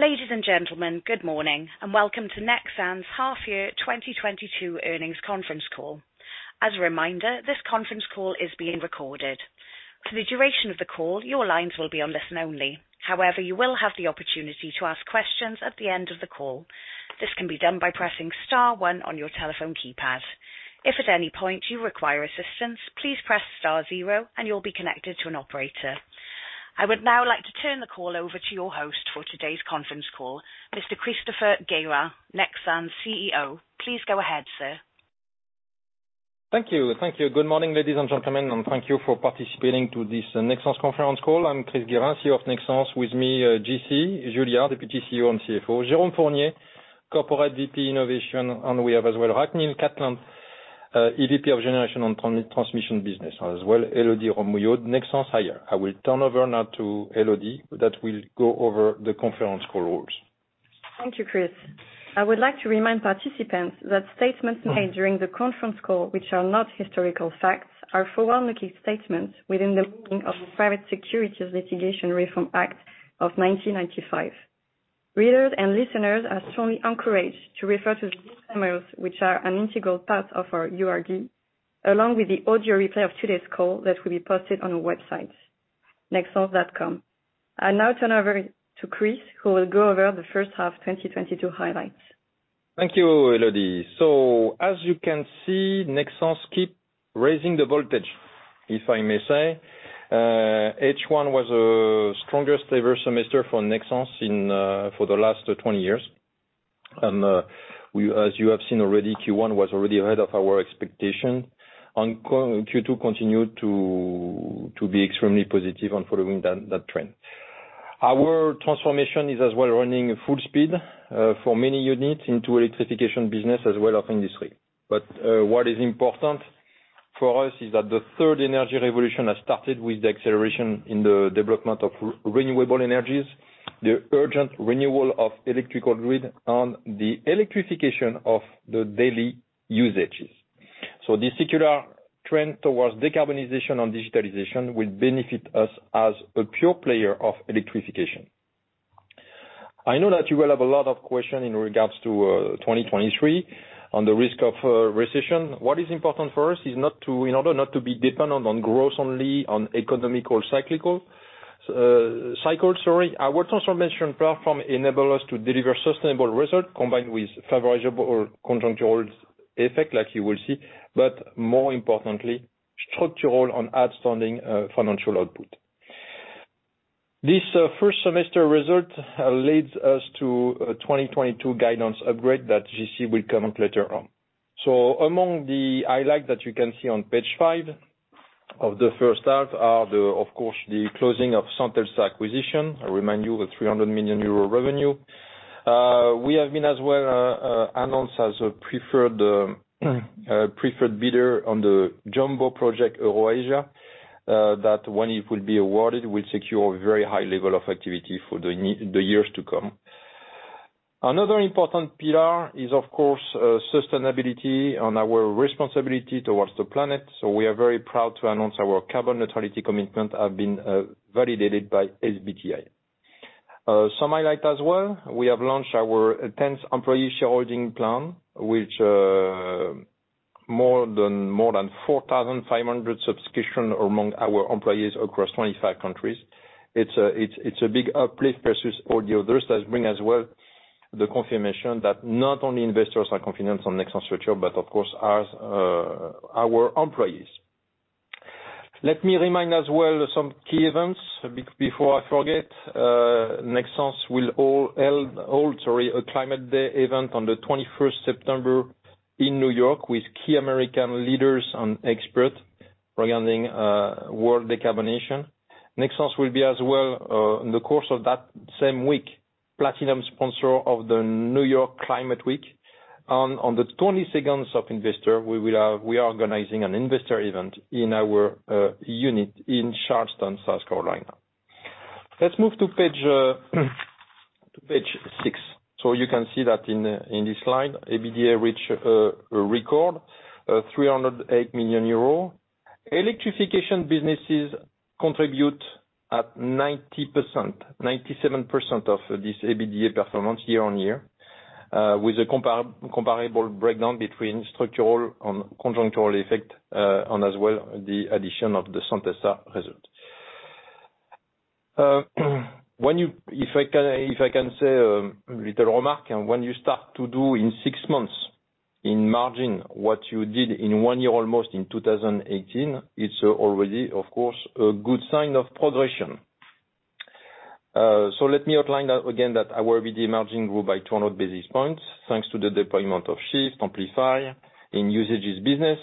Ladies and gentlemen, good morning, and welcome to Nexans Half Year 2022 Earnings Conference Call. As a reminder, this conference call is being recorded. For the duration of the call, your lines will be on listen-only. However, you will have the opportunity to ask questions at the end of the call. This can be done by pressing star one on your telephone keypad. If at any point you require assistance, please press star zero and you'll be connected to an operator. I would now like to turn the call over to your host for today's conference call, Mr. Christopher Guérin, Nexans CEO. Please go ahead, sir. Thank you. Good morning, ladies and gentlemen, and thank you for participating in this Nexans conference call. I'm Chris Guérin, CEO of Nexans. With me J-C Juillard, Deputy CEO and CFO, Jérôme Fournier, Corporate VP Innovation, and we have as well Ragnhild Katteland, EVP of Generation and Transmission Business, as well Élodie Robbe-Mouillot, Nexans IR. I will turn over now to Élodie that will go over the conference call rules. Thank you, Chris. I would like to remind participants that statements made during the conference call which are not historical facts are forward-looking statements within the meaning of the Private Securities Litigation Reform Act of 1995. Readers and listeners are strongly encouraged to refer to the disclaimers which are an integral part of our URD, along with the audio replay of today's call that will be posted on our website, Nexans.com. I now turn over to Chris, who will go over the first half 2022 highlights. Thank you, Élodie. As you can see, Nexans keep raising the voltage, if I may say. H1 was our strongest ever semester for Nexans in for the last 20 years. We, as you have seen already, Q1 was already ahead of our expectation. Q2 continued to be extremely positive, following that trend. Our transformation is as well running full speed for many units in the electrification business as well as industry. What is important for us is that the third energy revolution has started with the acceleration in the development of renewable energies, the urgent renewal of electrical grid, and the electrification of the daily usages. This secular trend towards decarbonization and digitalization will benefit us as a pure player of electrification. I know that you will have a lot of question in regards to 2023 on the risk of recession. What is important for us is in order not to be dependent on growth only on economic cyclical cycle, sorry. Our transformation platform enable us to deliver sustainable result combined with favorable or conjunctural effects, like you will see, but more importantly, structural and outstanding financial output. This first semester result leads us to a 2022 guidance upgrade that J-C will comment later on. Among the highlight that you can see on page five of the first half are, of course, the closing of Centelsa acquisition. I remind you the 300 million euro revenue. We have been as well announced as a preferred bidder on the Jumbo project EuroAsia that when it will be awarded will secure a very high level of activity for the years to come. Another important pillar is, of course, sustainability and our responsibility towards the planet. We are very proud to announce our carbon neutrality commitment have been validated by SBTi. Some highlight as well, we have launched our 10th employee shareholding plan, which more than 4,500 subscription among our employees across 25 countries. It's a big uplift versus all the others. That bring as well the confirmation that not only investors are confident on Nexans future, but of course our employees. Let me remind as well some key events before I forget. Nexans will hold a Climate Day event on 21st September in New York with key American leaders and experts regarding world decarbonization. Nexans will be as well in the course of that same week, platinum sponsor of the New York Climate Week. On the 22nd of investor, we are organizing an investor event in our unit in Charleston, South Carolina. Let's move to page six. You can see that in this slide, EBITDA reached a record EUR 308 million. Electrification businesses contributed 97% of this EBITDA performance year-on-year with a comparable breakdown between structural and conjunctural effect and as well the addition of the Centelsa result. If I can say little remark, when you start to do in six months in margin what you did in one year almost in 2018, it's already of course a good sign of progression. Let me outline that again that our EBITDA margin grew by 200 basis points thanks to the deployment of SHIFT, Amplify in usages business,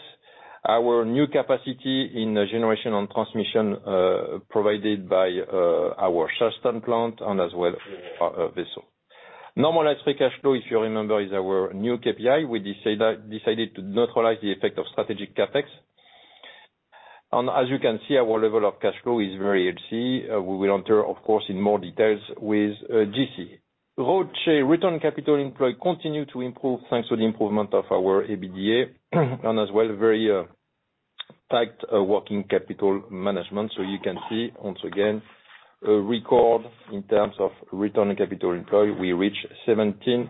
our new capacity in Generation and Transmission, provided by our Charleston plant and as well Aurora vessel. Normalized free cash flow, if you remember, is our new KPI. We decided to neutralize the effect of strategic CapEx. As you can see, our level of cash flow is very healthy. We will enter of course in more details with J-C. ROCE, return on capital employed continues to improve thanks to the improvement of our EBITDA and as well very tight working capital management. You can see once again a record in terms of return on capital employed. We reached 17.4%.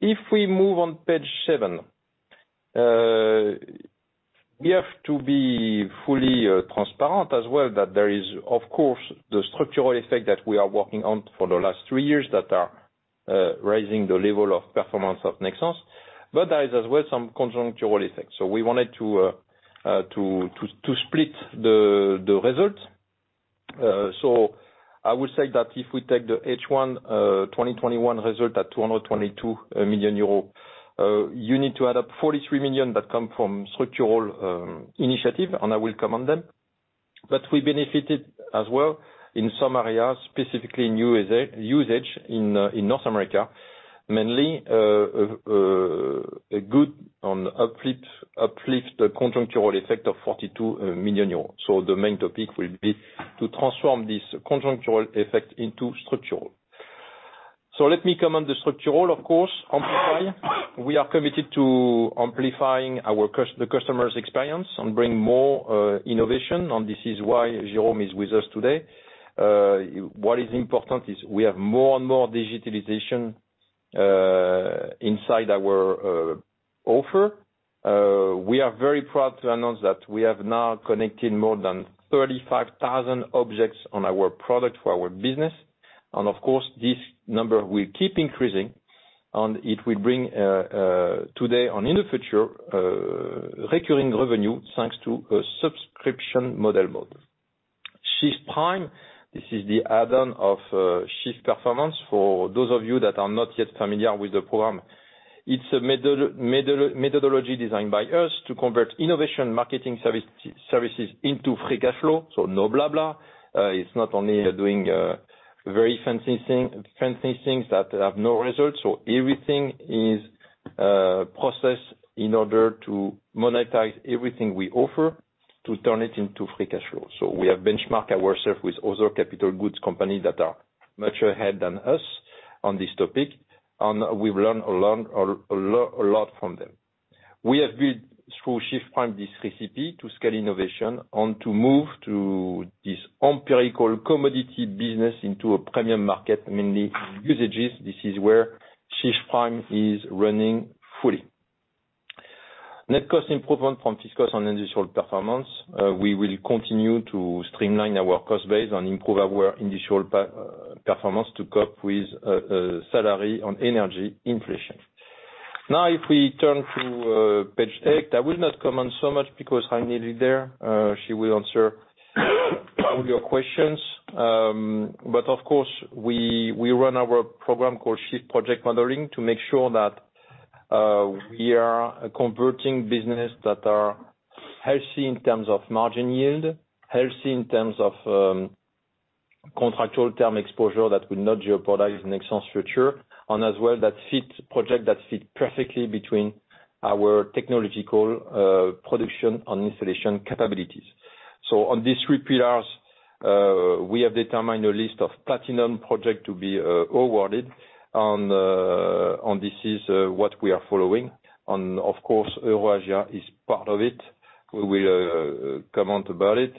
If we move on page seven, we have to be fully transparent as well that there is, of course, the structural effect that we are working on for the last three years that are raising the level of performance of Nexans. There is as well some conjunctural effect. We wanted to split the result. I would say that if we take the H1 2021 result at 222 million euros, you need to add 43 million that come from structural initiative, and I will come on then. We benefited as well in some areas, specifically in usage in North America, mainly, a good uplift, the conjunctural effect of 42 million euros. The main topic will be to transform this conjunctural effect into structural. Let me come on the structural, of course, Amplify. We are committed to amplifying the customer's experience and bring more innovation, and this is why Jérôme is with us today. What is important is we have more and more digitalization inside our offer. We are very proud to announce that we have now connected more than 35,000 objects on our product for our business. Of course, this number will keep increasing, and it will bring today and in the future recurring revenue thanks to a subscription model mode. SHIFT Prime, this is the add-on of SHIFT Performance. For those of you that are not yet familiar with the program, it's a methodology designed by us to convert innovation marketing services into free cash flow. No blah. It's not only doing very fancy things that have no results. Everything is processed in order to monetize everything we offer to turn it into free cash flow. We have benchmarked ourselves with other capital goods companies that are much ahead of us on this topic, and we've learned a lot from them. We have built through SHIFT Prime this recipe to scale innovation and to move to this imperfect commodity business into a premium market, mainly usages. This is where SHIFT Prime is running fully. Net cost improvement from fixed costs on industrial performance. We will continue to streamline our cost base and improve our industrial performance to cope with salary and energy inflation. Now, if we turn to page eight, I will not comment so much because Ragnhild is there. She will answer all your questions. Of course, we run our program called SHIFT Project modeling to make sure that we are converting businesses that are healthy in terms of margin yield, healthy in terms of contractual term exposure that will not jeopardize Nexans future. As well, those projects that fit perfectly between our technological production and installation capabilities. On these three pillars, we have determined a list of platinum projects to be awarded and this is what we are following. Of course, EuroAsia is part of it. We will comment about it.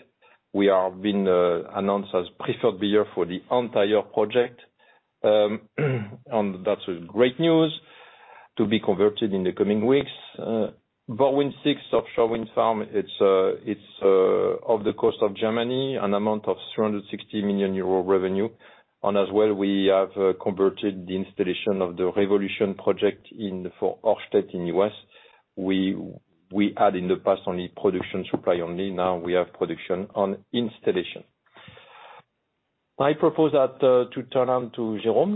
We are being announced as preferred buyer for the entire project. That's great news to be contracted in the coming weeks. BorWin6 offshore wind farm, it's off the coast of Germany, 360 million euro revenue. We have converted the installation of the Revolution Wind project for Ørsted in U.S. We had in the past only production supply. Now we have production and installation. I propose that to turn over to Jérôme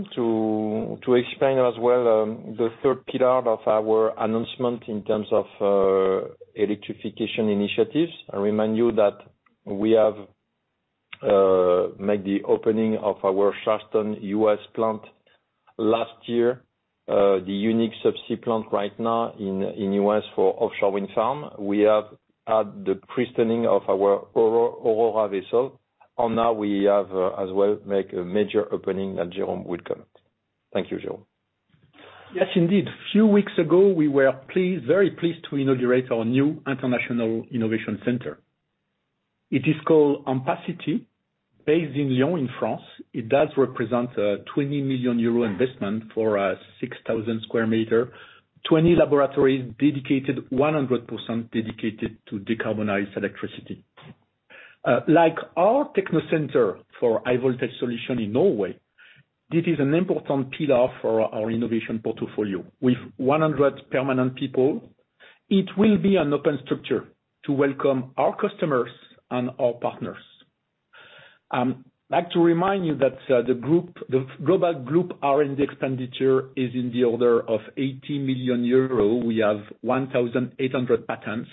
to explain as well the third pillar of our announcement in terms of electrification initiatives. I remind you that we have made the opening of our Charleston U.S. plant last year. The unique subsea plant right now in U.S. for offshore wind farm. We have had the christening of our Aurora vessel, and now we have as well made a major opening that Jérôme will comment. Thank you, Jérôme. Yes, indeed. A few weeks ago, we were pleased, very pleased to inaugurate our new international innovation center. It is called AmpaCity, based in Lyon, in France. It does represent a 20 million euro investment for a 6,000 sq m, 20 laboratories dedicated, 100% dedicated to decarbonize electricity. Like our techno center for high voltage solution in Norway, this is an important pillar for our innovation portfolio. With 100 permanent people, it will be an open structure to welcome our customers and our partners. I'd like to remind you that the group, the global group R&D expenditure is in the order of 80 million euros. We have 1,800 patents,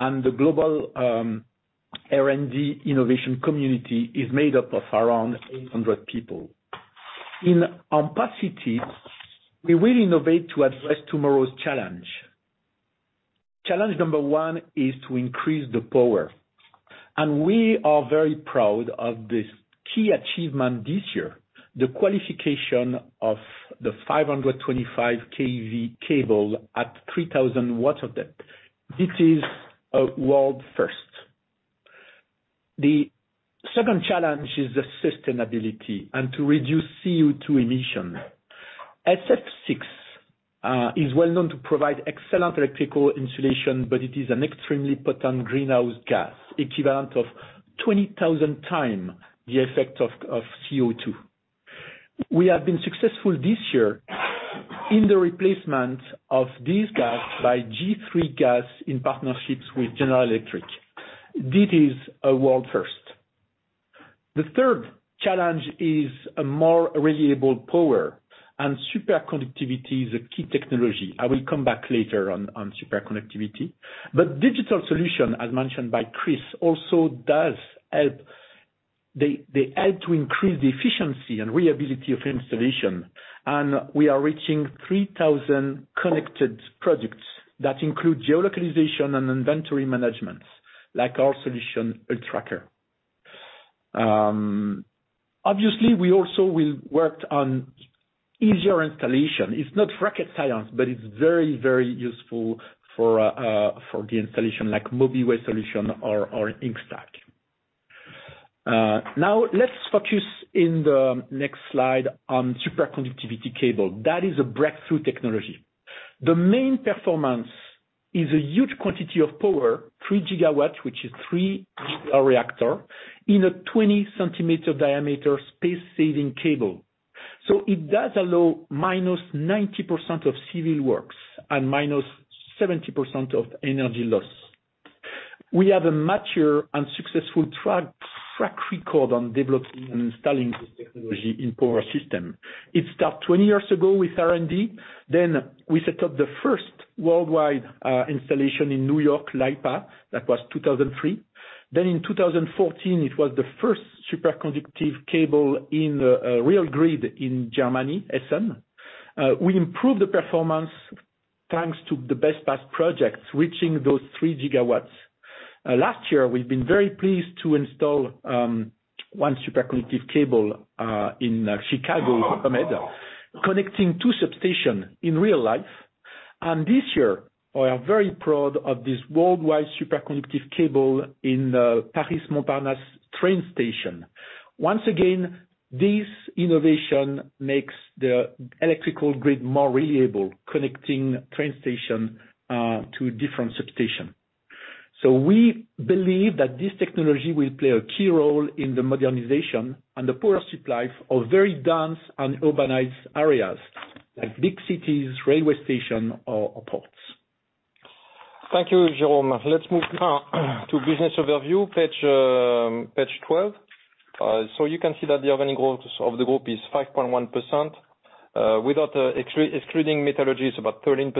and the global R&D innovation community is made up of around 800 people. In AmpaCity, we will innovate to address tomorrow's challenge. Challenge number one is to increase the power. We are very proud of this key achievement this year, the qualification of the 525 kV cable at 3,000 m water depth. This is a world first. The second challenge is the sustainability and to reduce CO2 emission. SF6 is well known to provide excellent electrical insulation, but it is an extremely potent greenhouse gas, equivalent of 20,000x the effect of CO2. We have been successful this year in the replacement of this gas by g3 gas in partnerships with General Electric. This is a world first. The third challenge is a more reliable power, and superconductivity is a key technology. I will come back later on superconductivity. But digital solution, as mentioned by Chris, also does help. They help to increase the efficiency and reliability of installation. We are reaching 3,000 connected projects that include geolocalization and inventory management, like our solution, ULTRACKER. Obviously we also will work on easier installation. It's not rocket science, but it's very, very useful for the installation like MOBIWAY solution or Instack. Now let's focus in the next slide on superconductivity cable. That is a breakthrough technology. The main performance is a huge quantity of power, 3 GW, which is three reactor in a 20-centimeter diameter space-saving cable. So it does allow -90% of civil works and -70% of energy loss. We have a mature and successful track record on developing and installing this technology in power system. It started 20 years ago with R&D. Then we set up the first worldwide installation in New York, LIPA. That was 2003. In 2014, it was the first superconductive cable in real grid in Germany, Essen. We improved the performance thanks to the best past projects, reaching those 3 GW. Last year, we've been very pleased to install one superconductive cable in Chicago, ComEd, connecting two substations in real life. This year, we are very proud of this worldwide superconductive cable in Paris Montparnasse train station. Once again, this innovation makes the electrical grid more reliable, connecting train station to different substations. We believe that this technology will play a key role in the modernization and the power supply of very dense and urbanized areas like big cities, railway station or ports. Thank you, Jérôme. Let's move now to business overview, page 12. So you can see that the organic growth of the group is 5.1%. Without excluding metallurgy is about 13%.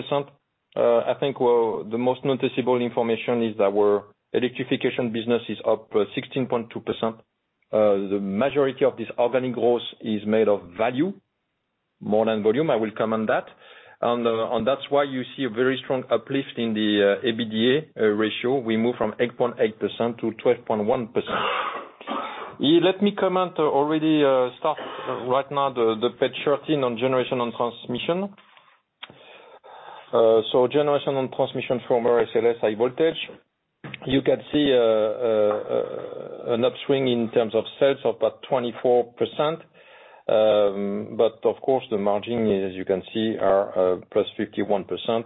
I think well, the most noticeable information is that our electrification business is up 16.2%. The majority of this organic growth is made of value more than volume. I will come on that. That's why you see a very strong uplift in the EBITDA ratio. We move from 8.8%-12.1%. Let me comment already, start right now the page 13 on generation and transmission. So generation and transmission from our SLS high voltage, you can see an upswing in terms of sales of about 24%. Of course, the margin, as you can see, are +51%.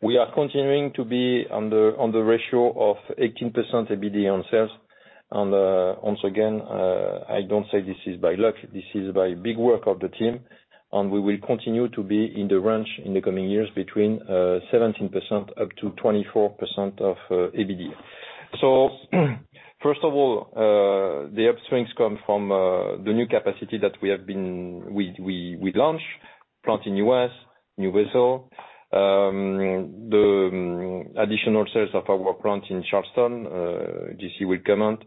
We are continuing to be on the ratio of 18% EBITDA on sales. Once again, I don't say this is by luck, this is by big work of the team, and we will continue to be in the range in the coming years between 17% up to 24% of EBITDA. First of all, the upswings come from the new capacity that we launch plant in US, new vessel, the additional sales of our plant in Charleston, J-C will comment.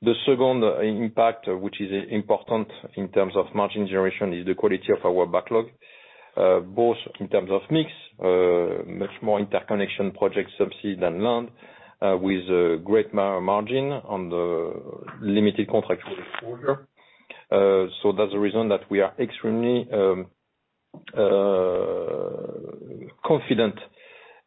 The second impact, which is important in terms of margin generation, is the quality of our backlog, both in terms of mix, much more interconnection projects subsea than land, with a great margin on the limited contracts with order. That's the reason that we are extremely confident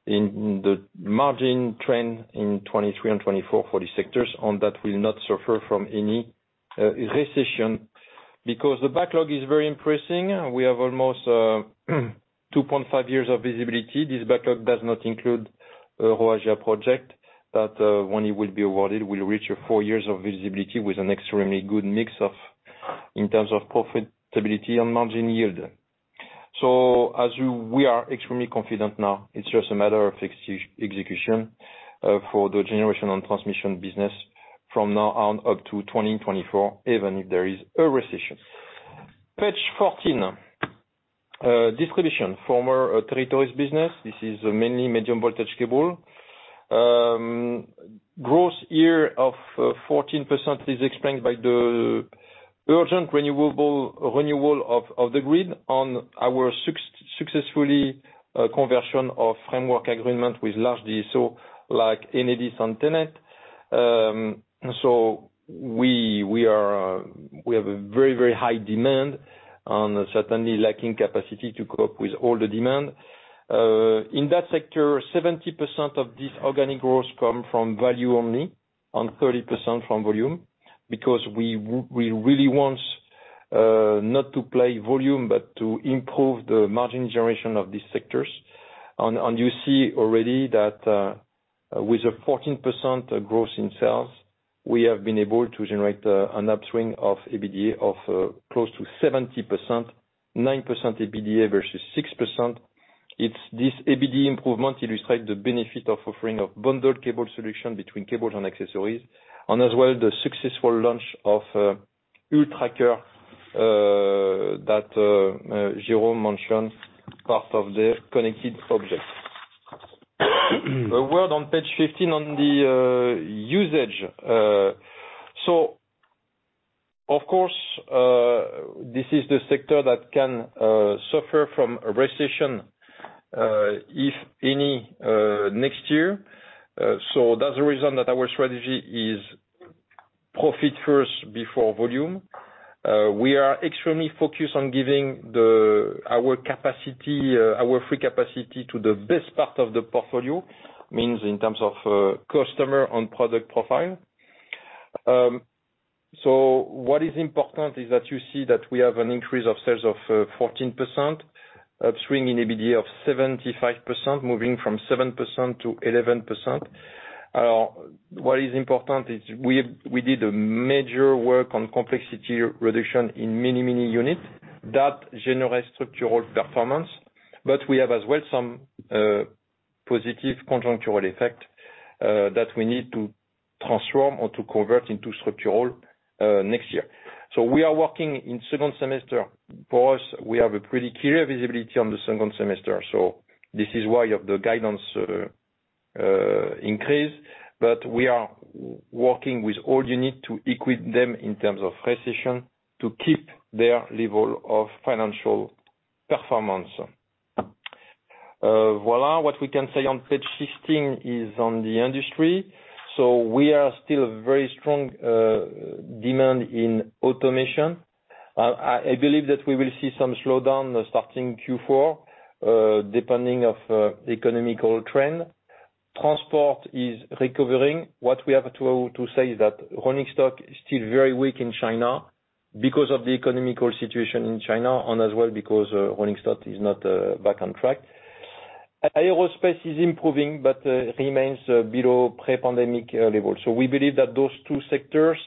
in the margin trend in 2023 and 2024 for these sectors, and that will not suffer from any recession because the backlog is very impressive. We have almost 2.5 years of visibility. This backlog does not include EuroAsia project, but when it will be awarded, we'll reach four years of visibility with an extremely good mix of, in terms of profitability and margin yield. We are extremely confident now. It's just a matter of execution for the generation and transmission business from now on up to 2024, even if there is a recession. Page 14. Distribution, former territories business. This is mainly medium voltage cable. Growth year of 14% is explained by the urgent renewal of the grid on our successful conversion of framework agreement with large DSO, like Enedis and TenneT. We have a very high demand and certainly lacking capacity to cope with all the demand. In that sector, 70% of this organic growth come from value only and 30% from volume. We really want not to play volume, but to improve the margin generation of these sectors. You see already that with a 14% growth in sales, we have been able to generate an upswing of EBITDA of close to 70%, 9% EBITDA versus 6%. It's this EBITDA improvement illustrate the benefit of offering of bundled cable solution between cables and accessories, and as well the successful launch of ULTRACKER that Jérôme mentioned, part of the connected objects. A word on page 15 on the usage. Of course, this is the sector that can suffer from a recession, if any, next year. That's the reason that our strategy is profit first before volume. We are extremely focused on giving our capacity, our free capacity to the best part of the portfolio, means in terms of customer and product profile. What is important is that you see that we have an increase of sales of 14%, upswing in EBITDA of 75%, moving from 7%-11%. What is important is we did a major work on complexity reduction in many units. That generates structural performance. We have as well some positive contractual effect that we need to transform or to convert into structural next year. We are working in second semester. For us, we have a pretty clear visibility on the second semester, so this is why you have the guidance increase. We are working with all unit to equip them in terms of recession, to keep their level of financial performance. Voilà, what we can say on page 16 is on the industry. We are still very strong demand in automation. I believe that we will see some slowdown starting Q4, depending on economic trend. Transport is recovering. What we have to say is that rolling stock is still very weak in China because of the economic situation in China, and as well because rolling stock is not back on track. Aerospace is improving, but remains below pre-pandemic era level. We believe that those two sectors,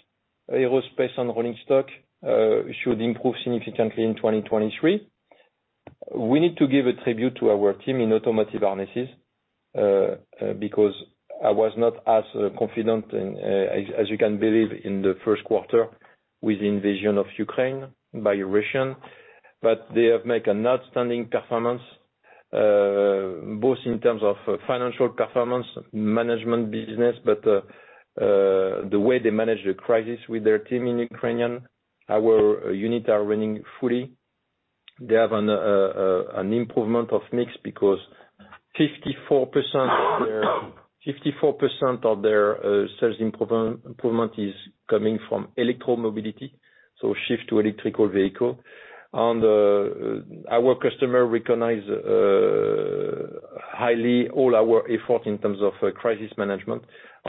aerospace and rolling stock, should improve significantly in 2023. We need to give a tribute to our team in automotive harnesses, because I was not as confident as you can believe in the first quarter with invasion of Ukraine by Russia. They have made an outstanding performance both in terms of financial performance, management business, the way they manage the crisis with their team in Ukraine. Our unit is running fully. They have an improvement of mix because 54% of their sales improvement is coming from electromobility, so Shift to electric vehicle. Our customer recognizes highly all our effort in terms of crisis management.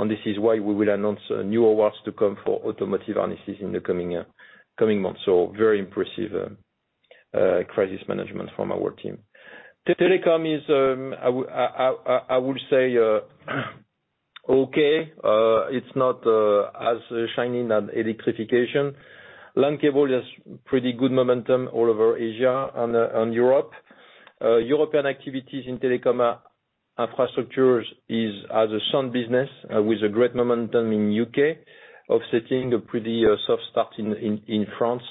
This is why we will announce new awards to come for automotive harnesses in the coming months. Very impressive crisis management from our team. Telecom is, I would say, okay. It's not as shining as electrification. Land cable has pretty good momentum all over Asia and Europe. European activities in telecom infrastructures is a sound business with great momentum in U.K., offsetting a pretty soft start in France,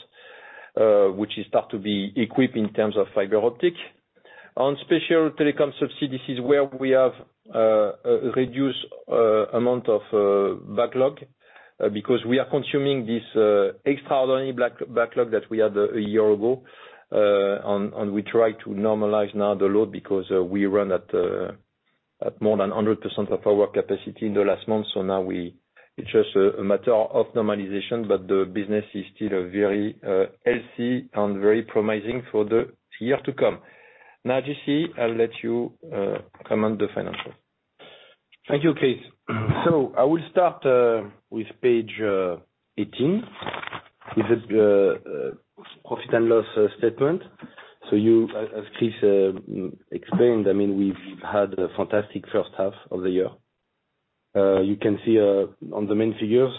which is starting to be equipped in terms of fiber optic. On special telecoms subsidies is where we have a reduced amount of backlog, because we are consuming this extraordinary backlog that we had a year ago. We try to normalize now the load because we run at more than 100% of our capacity in the last month. Now it's just a matter of normalization, but the business is still very healthy and very promising for the year to come. Now, J-C, I'll let you comment the financials. Thank you, Chris. I will start with page 18. This is profit and loss statement. You, as Chris, explained, I mean, we've had a fantastic first half of the year. You can see on the main figures,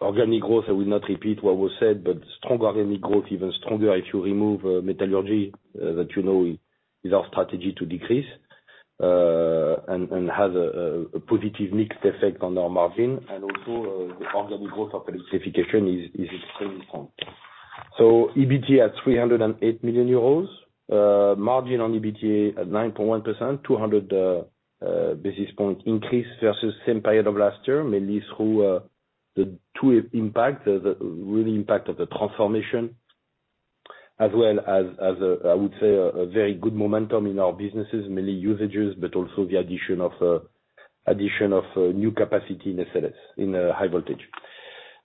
organic growth, I will not repeat what was said, but strong organic growth, even stronger if you remove metallurgy that you know is our strategy to decrease. And have a positive mix effect on our margin. The organic growth of electrification is extremely strong. EBIT at 308 million euros, margin on EBITDA at 9.1%, 200 basis point increase versus same period of last year, mainly through the true impact of the transformation, as well as, I would say, a very good momentum in our businesses, mainly usages, but also the addition of new capacity in the high voltage.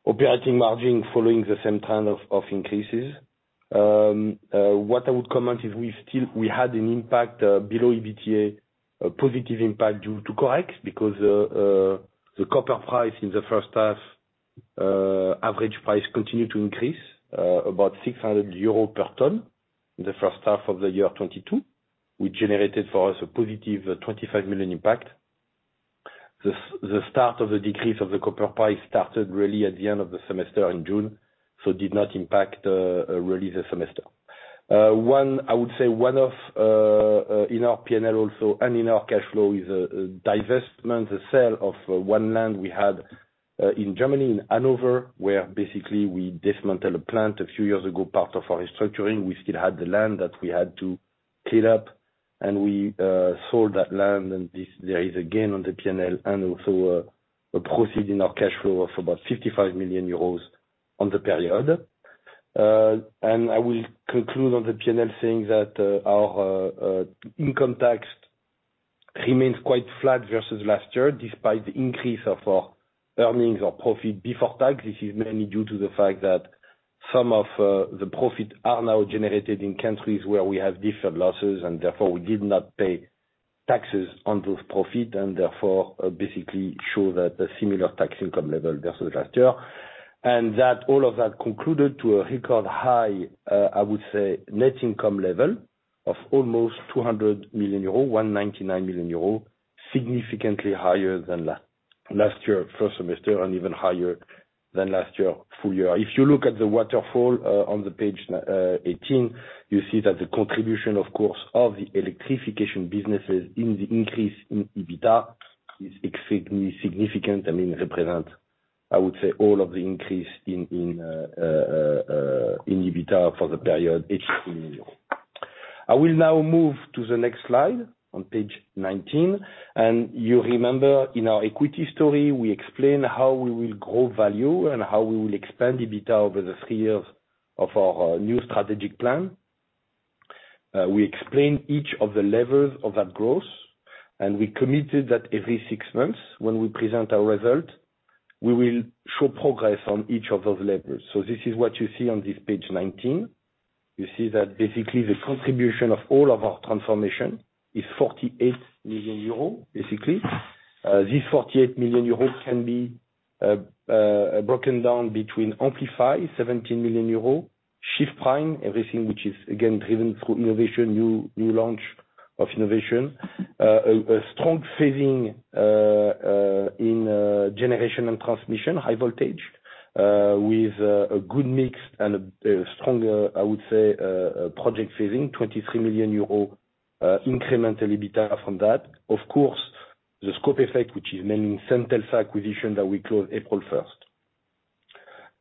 Operating margin following the same trend of increases. What I would comment is we had an impact below EBITDA, a positive impact due to core exposure, because the copper price in the first half, average price continued to increase about 600 euro per ton in the first half of the year 2022, which generated for us a positive 25 million impact. The start of the decrease of the copper price started really at the end of the semester in June, so did not impact really the semester. I would say one of in our P&L also, and in our cash flow is divestment, the sale of one land we had in Germany, in Hanover, where basically we dismantled a plant a few years ago, part of our restructuring. We still had the land that we had to clean up, and we sold that land. There is again on the P&L, and also proceeds in our cash flow of about 55 million euros on the period. I will conclude on the P&L saying that our income tax remains quite flat versus last year, despite the increase of our earnings or profit before tax. This is mainly due to the fact that some of the profit are now generated in countries where we have deferred losses, and therefore we did not pay taxes on those profit, and therefore basically show that a similar tax income level versus last year. All of that contributed to a record high net income level of almost 200 million euros, 199 million euros. Significantly higher than last year, first semester, and even higher than last year full year. If you look at the waterfall on the page 18, you see that the contribution, of course, of the electrification businesses in the increase in EBITDA is extremely significant. I mean, represent, I would say all of the increase in EBITDA for the period, 18 million. I will now move to the next slide on page 19. You remember in our equity story, we explained how we will grow value and how we will expand EBITDA over the three years of our new strategic plan. We explained each of the levels of that growth, and we committed that every six months when we present our result, we will show progress on each of those levels. This is what you see on this page 19. You see that basically the contribution of all of our transformation is 48 million euro, basically. This 48 million euro can be broken down between Amplify, 17 million euro. SHIFT Prime, everything which is again driven through innovation, launch of innovation. A strong saving in generation and transmission, high voltage, with a good mix and a stronger, I would say, project saving, 23 million euros, incremental EBITDA from that. Of course, the scope effect, which is mainly Centelsa acquisition that we closed April 1st.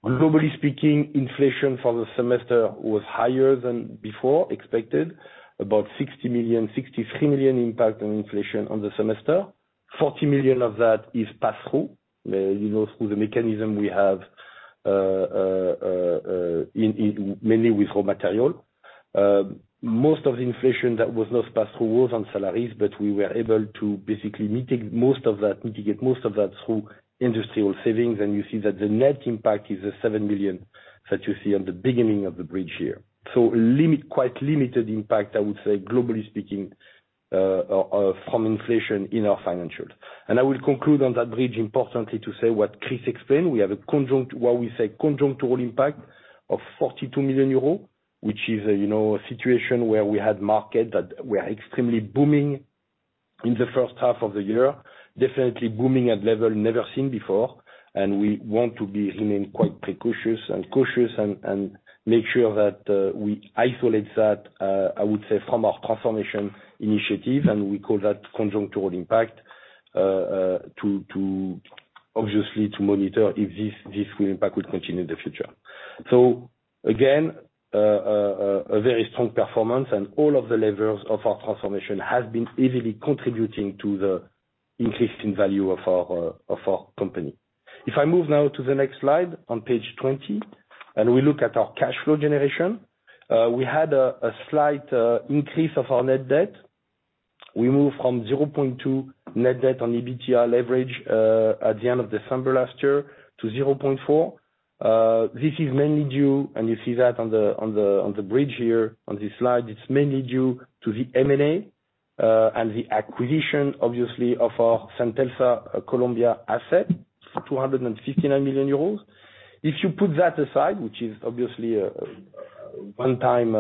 Globally speaking, inflation for the semester was higher than before expected, about 60 million, 63 million impact on inflation on the semester. 40 million of that is pass-through, you know, through the mechanism we have, in mainly with raw material. Most of the inflation that was not pass-through was on salaries, but we were able to basically mitigate most of that through industrial savings. You see that the net impact is the 7 million that you see on the beginning of the bridge here. Quite limited impact, I would say, globally speaking, from inflation in our financials. I will conclude on that bridge, importantly to say what Chris explained, we have a conjunctural impact of 42 million euros, which is, you know, a situation where we had market that we are extremely booming in the first half of the year. Definitely booming at level never seen before. We want to be remaining quite precautious and cautious and make sure that we isolate that I would say from our transformation initiative, and we call that conjunctural impact to obviously monitor if this impact will continue in the future. A very strong performance and all of the levers of our transformation has been easily contributing to the increase in value of our company. If I move now to the next slide on page 20, and we look at our cash flow generation, we had a slight increase of our net debt. We moved from 0.2 net debt on EBITDA leverage at the end of December last year to 0.4. This is mainly due, and you see that on the bridge here on this slide. It's mainly due to the M&A, and the acquisition, obviously, of our Centelsa Colombia asset, 259 million euros. If you put that aside, which is obviously a one time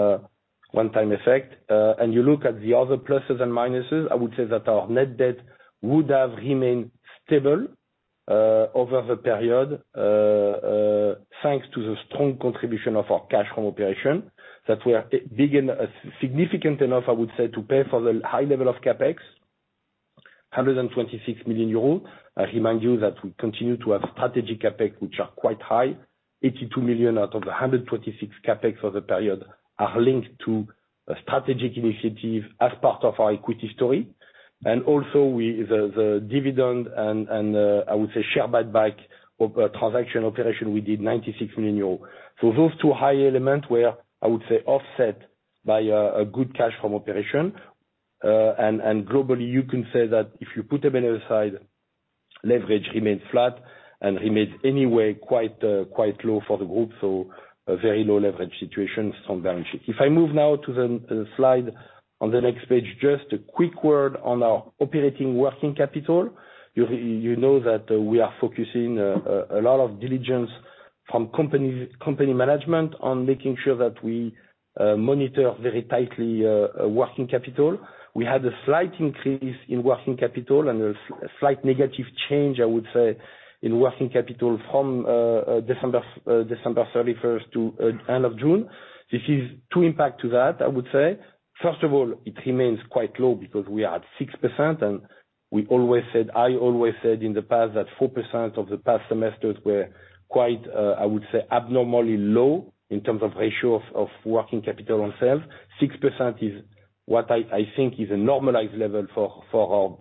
effect, and you look at the other pluses and minuses, I would say that our net debt would have remained stable over the period, thanks to the strong contribution of our cash from operations, that we are generating is significant enough, I would say, to pay for the high level of CapEx, 126 million euros. I remind you that we continue to have strategic CapEx, which are quite high. 82 million out of the 126 million CapEx for the period are linked to a strategic initiative as part of our equity story. Also we, the dividend and I would say share buyback or transaction operations, we did 96 million euros. Those two high elements were, I would say, offset by a good cash from operation. Globally, you can say that if you put them on the other side, leverage remains flat and remains anyway quite low for the group, so a very low leverage situation from balance sheet. If I move now to the slide on the next page, just a quick word on our operating working capital. You know that we are focusing a lot of diligence from company management on making sure that we monitor very tightly working capital. We had a slight increase in working capital and a slight negative change, I would say, in working capital from December 31st to end of June. This is two impacts to that, I would say. First of all, it remains quite low because we are at 6%, and we always said, I always said in the past that 4% of the past semesters were quite, I would say abnormally low in terms of ratio of working capital themselves. 6% is what I think is a normalized level for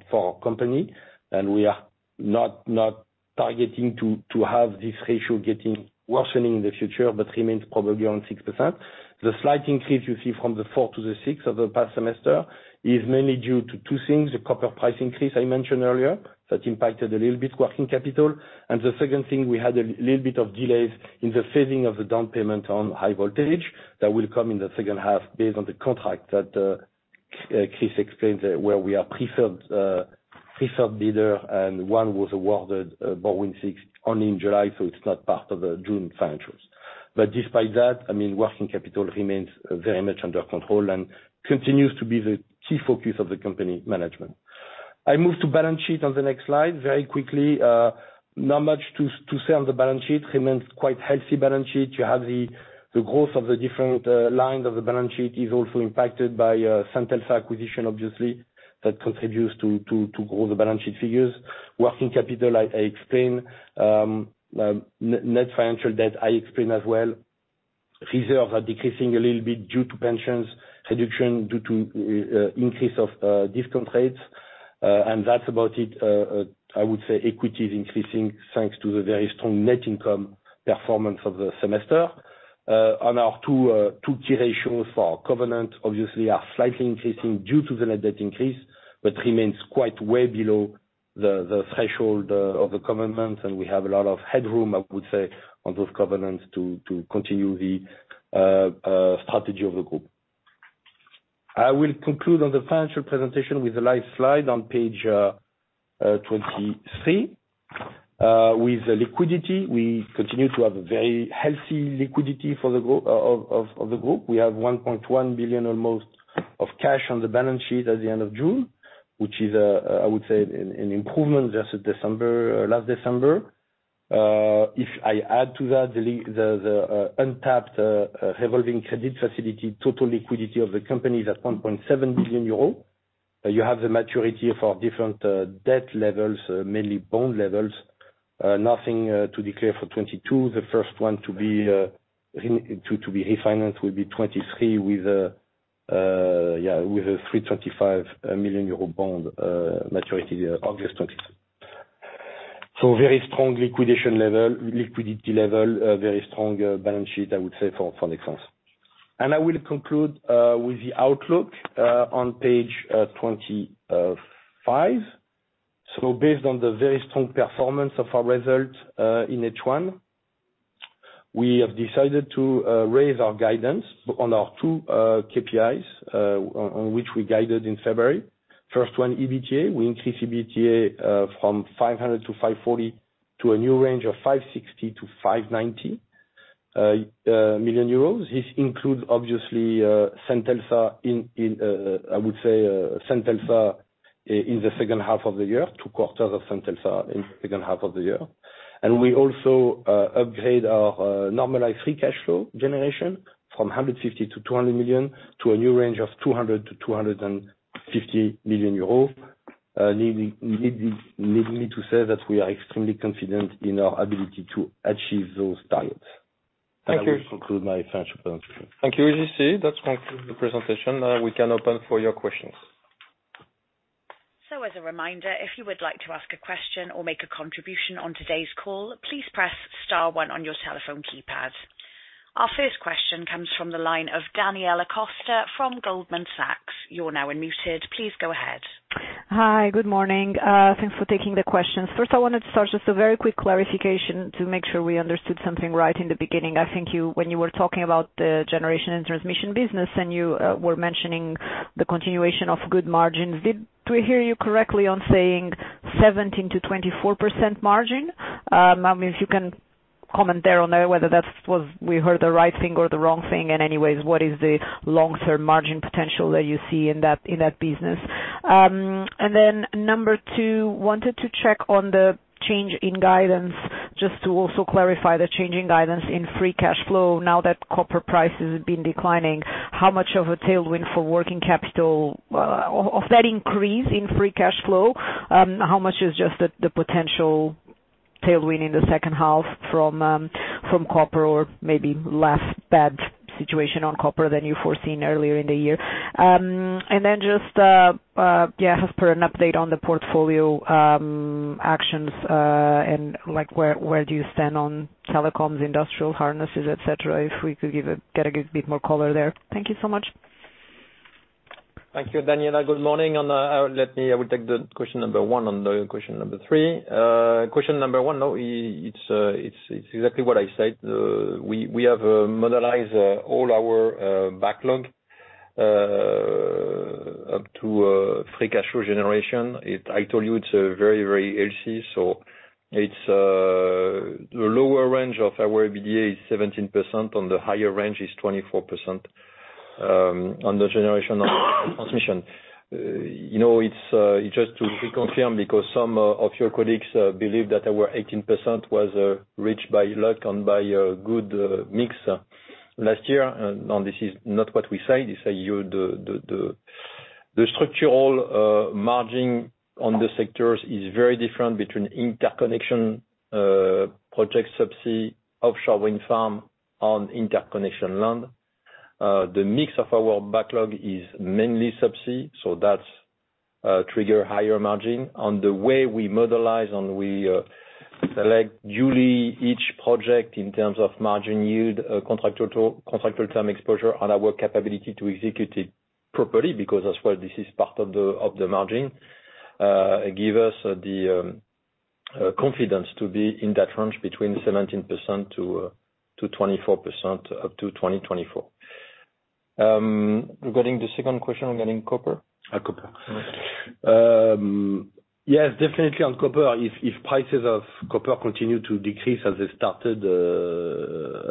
our company. We are not targeting to have this ratio getting worsening in the future, but remains probably around 6%. The slight increase you see from the 4% to the 6% of the past semester is mainly due to two things, the copper price increase I mentioned earlier, that impacted a little bit working capital. The second thing, we had a little bit of delays in the receiving of the down payment on high voltage that will come in the second half based on the contract that Chris explained, where we are preferred bidder, and one was awarded, but BorWin6 only in July, so it's not part of the June financials. Despite that, I mean, working capital remains very much under control and continues to be the key focus of the company management. I move to balance sheet on the next slide very quickly. Not much to say on the balance sheet. Remains quite healthy balance sheet. You have the growth of the different lines of the balance sheet is also impacted by Centelsa acquisition, obviously, that contributes to grow the balance sheet figures. Working capital, I explained. Net financial debt, I explained as well. Reserves are decreasing a little bit due to pensions reduction due to increase of discount rates. That's about it. I would say equity is increasing thanks to the very strong net income performance of the semester. On our two key ratios for covenant obviously are slightly increasing due to the net debt increase, but remains quite way below the threshold of the covenant. We have a lot of headroom, I would say, on those covenants to continue the strategy of the group. I will conclude on the financial presentation with the last slide on page 23. With the liquidity, we continue to have a very healthy liquidity for the group of the group. We have almost 1.1 billion of cash on the balance sheet at the end of June, which is, I would say, an improvement versus December, last December. If I add to that the untapped revolving credit facility, total liquidity of the company is at 1.7 billion euro. You have the maturity for different debt levels, mainly bond levels. Nothing to declare for 2022. The first one to be refinanced will be 2023 with a 325 million euro bond, maturity August 2022. Very strong liquidity level, very strong balance sheet, I would say for Nexans. I will conclude with the outlook on page 25. Based on the very strong performance of our results in H1, we have decided to raise our guidance on our two KPIs on which we guided in February. First one, EBITDA. We increase EBITDA from 500 million-540 million to a new range of 560 million-590 million euros. This includes obviously, Centelsa in the second half of the year, I would say, two quarters of Centelsa in second half of the year. We also upgrade our normalized free cash flow generation from 150 million-200 million to a new range of 200 million-250 million euros. No need for me to say that we are extremely confident in our ability to achieve those targets. Thank you. I will conclude my financial presentation. Thank you, J.C. That concludes the presentation. Now we can open for your questions. As a reminder, if you would like to ask a question or make a contribution on today's call, please press star one on your telephone keypad. Our first question comes from the line of Daniela Costa from Goldman Sachs. You're now unmuted. Please go ahead. Hi, good morning. Thanks for taking the questions. First, I wanted to start just a very quick clarification to make sure we understood something right in the beginning. I think you, when you were talking about the generation and transmission business and you were mentioning the continuation of good margins. Did we hear you correctly on saying 17%-24% margin? I mean, if you can comment on whether that was, we heard the right thing or the wrong thing, and anyways, what is the long-term margin potential that you see in that, in that business? Then number two, wanted to check on the change in guidance. Just to also clarify the change in guidance in free cash flow now that copper prices have been declining, how much of a tailwind for working capital of that increase in free cash flow, how much is just the potential tailwind in the second half from copper or maybe less bad situation on copper than you foreseen earlier in the year? Then just, yeah, just for an update on the portfolio actions, and like where do you stand on telecoms, industrial harnesses, et cetera, if we could give a bit more color there. Thank you so much. Thank you, Daniela. Good morning. I will take the question number one and the question number three. Question number one, no, it's exactly what I said. We have modeled all our backlog up to free cash flow generation. I told you it's very, very healthy, so it's the lower range of our EBITDA is 17%, and the higher range is 24%, on Generation and Transmission. You know, it's just to reconfirm because some of your colleagues believe that our 18% was reached by luck and by a good mix last year, and no, this is not what we say. The structural margin on the sectors is very different between interconnection project subsea, offshore wind farm, on interconnection land. The mix of our backlog is mainly subsea, so that trigger higher margin. On the way we modelize and we select duly each project in terms of margin yield, contractor to-contractor term exposure and our capability to execute it properly because that's why this is part of the margin give us the confidence to be in that range between 17%-24% up to 2024. Regarding the second question regarding copper. Copper. Yes, definitely on copper, if prices of copper continue to decrease as they started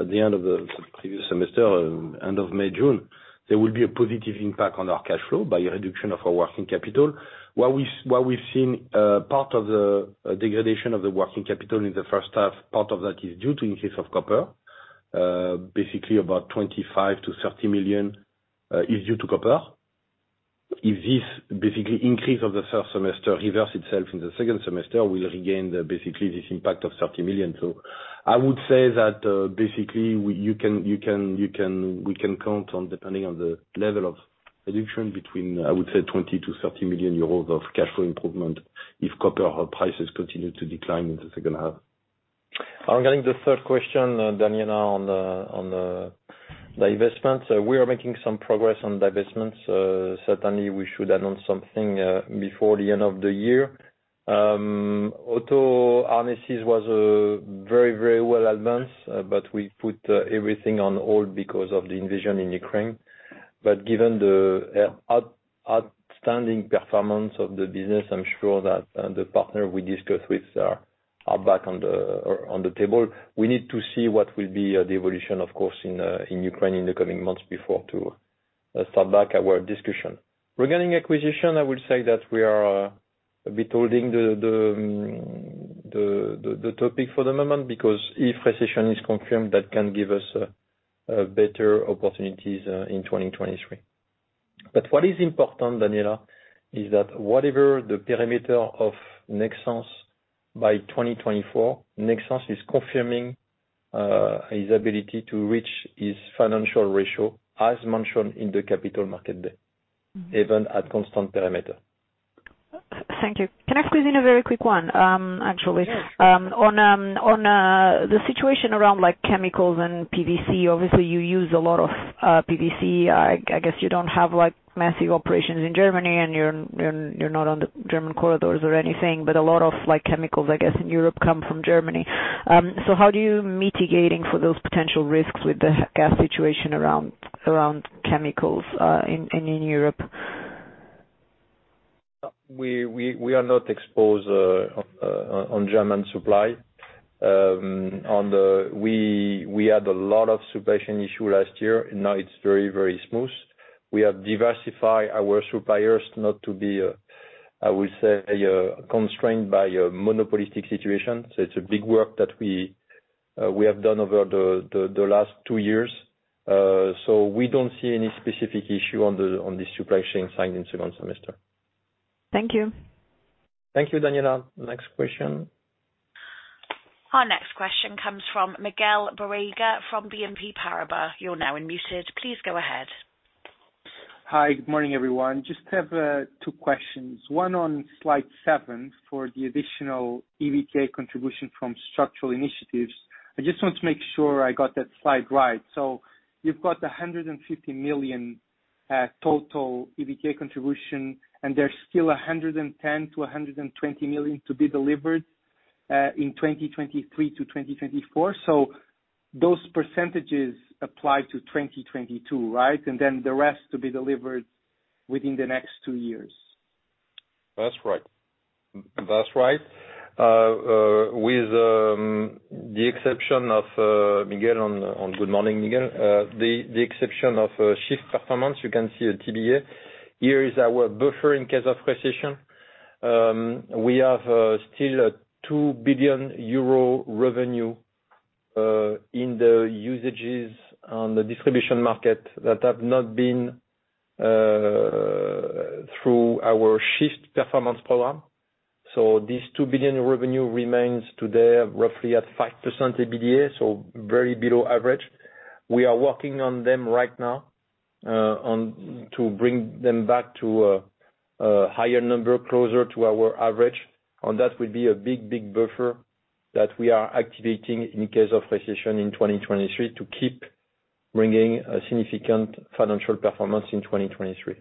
at the end of the previous semester, end of May, June, there will be a positive impact on our cash flow by reduction of our working capital. What we've seen, part of the degradation of the working capital in the first half, part of that is due to increase of copper, basically about 25 million-30 million is due to copper. If this basically increase of the first semester reverse itself in the second semester, we'll regain the basically this impact of 30 million. I would say that, basically we...we can count on depending on the level of reduction between, I would say, 20 million-30 million euros of cash flow improvement if copper prices continue to decline in the second half. Regarding the third question, Daniela, on divestment. We are making some progress on divestments, certainly we should announce something before the end of the year. Auto Harnesses was very well advanced, but we put everything on hold because of the invasion in Ukraine. Given the outstanding performance of the business, I'm sure that the partner we discussed with are back on the table. We need to see what will be the evolution of course in Ukraine in the coming months before to start back our discussion. Regarding acquisition, I will say that we are a bit holding the topic for the moment because if recession is confirmed, that can give us better opportunities in 2023. What is important, Daniela, is that whatever the parameter of Nexans by 2024, Nexans is confirming its ability to reach his financial ratio, as mentioned in the Capital Markets Day, even at constant parameter. Thank you. Can I squeeze in a very quick one, actually? Yes. On the situation around like chemicals and PVC, obviously you use a lot of PVC. I guess you don't have like massive operations in Germany and you're not on the German corridors or anything, but a lot of like chemicals, I guess, in Europe come from Germany. So how do you mitigating for those potential risks with the gas situation around chemicals in Europe? We are not exposed on German supply. We had a lot of supply chain issue last year. Now it's very smooth. We have diversify our suppliers not to be, I would say, constrained by a monopolistic situation. It's a big work that we have done over the last two years. We don't see any specific issue on the supply chain side in second semester. Thank you. Thank you, Daniela. Next question. Our next question comes from Miguel Borrega from BNP Paribas. You're now unmuted. Please go ahead. Hi, good morning, everyone. Just have two questions, one on slide seven for the additional EBITDA contribution from structural initiatives. I just want to make sure I got that slide right. You've got the 150 million total EBITDA contribution, and there's still 110 million-120 million to be delivered in 2023-2024. Those percentages apply to 2022, right? The rest to be delivered within the next two years. That's right. Good morning, Miguel. With the exception of SHIFT Performance, you can see a TBA. Here is our buffer in case of recession. We have still a 2 billion euro revenue in the usages on the distribution market that have been through our SHIFT Performance program. This 2 billion revenue remains today roughly at 5% EBITDA, so very below average. We are working on them right now to bring them back to a higher number, closer to our average. That will be a big buffer that we are activating in case of recession in 2023 to keep bringing a significant financial performance in 2023.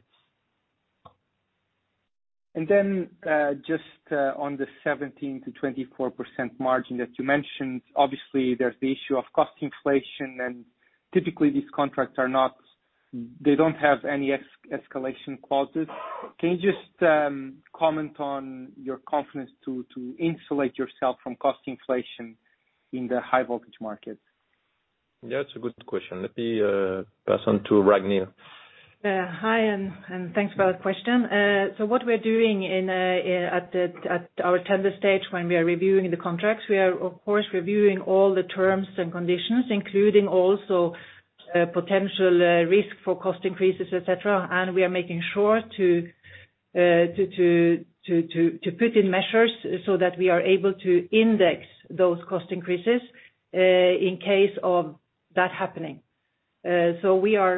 On the 17%-24% margin that you mentioned. Obviously, there's the issue of cost inflation, and typically these contracts don't have any escalation clauses. Can you just comment on your confidence to insulate yourself from cost inflation in the high voltage market? Yeah, it's a good question. Let me pass on to Ragnhild. Hi, and thanks for that question. What we're doing at our tender stage when we are reviewing the contracts, we are of course reviewing all the terms and conditions, including also potential risk for cost increases, et cetera. We are making sure to put in measures so that we are able to index those cost increases in case of that happening. We are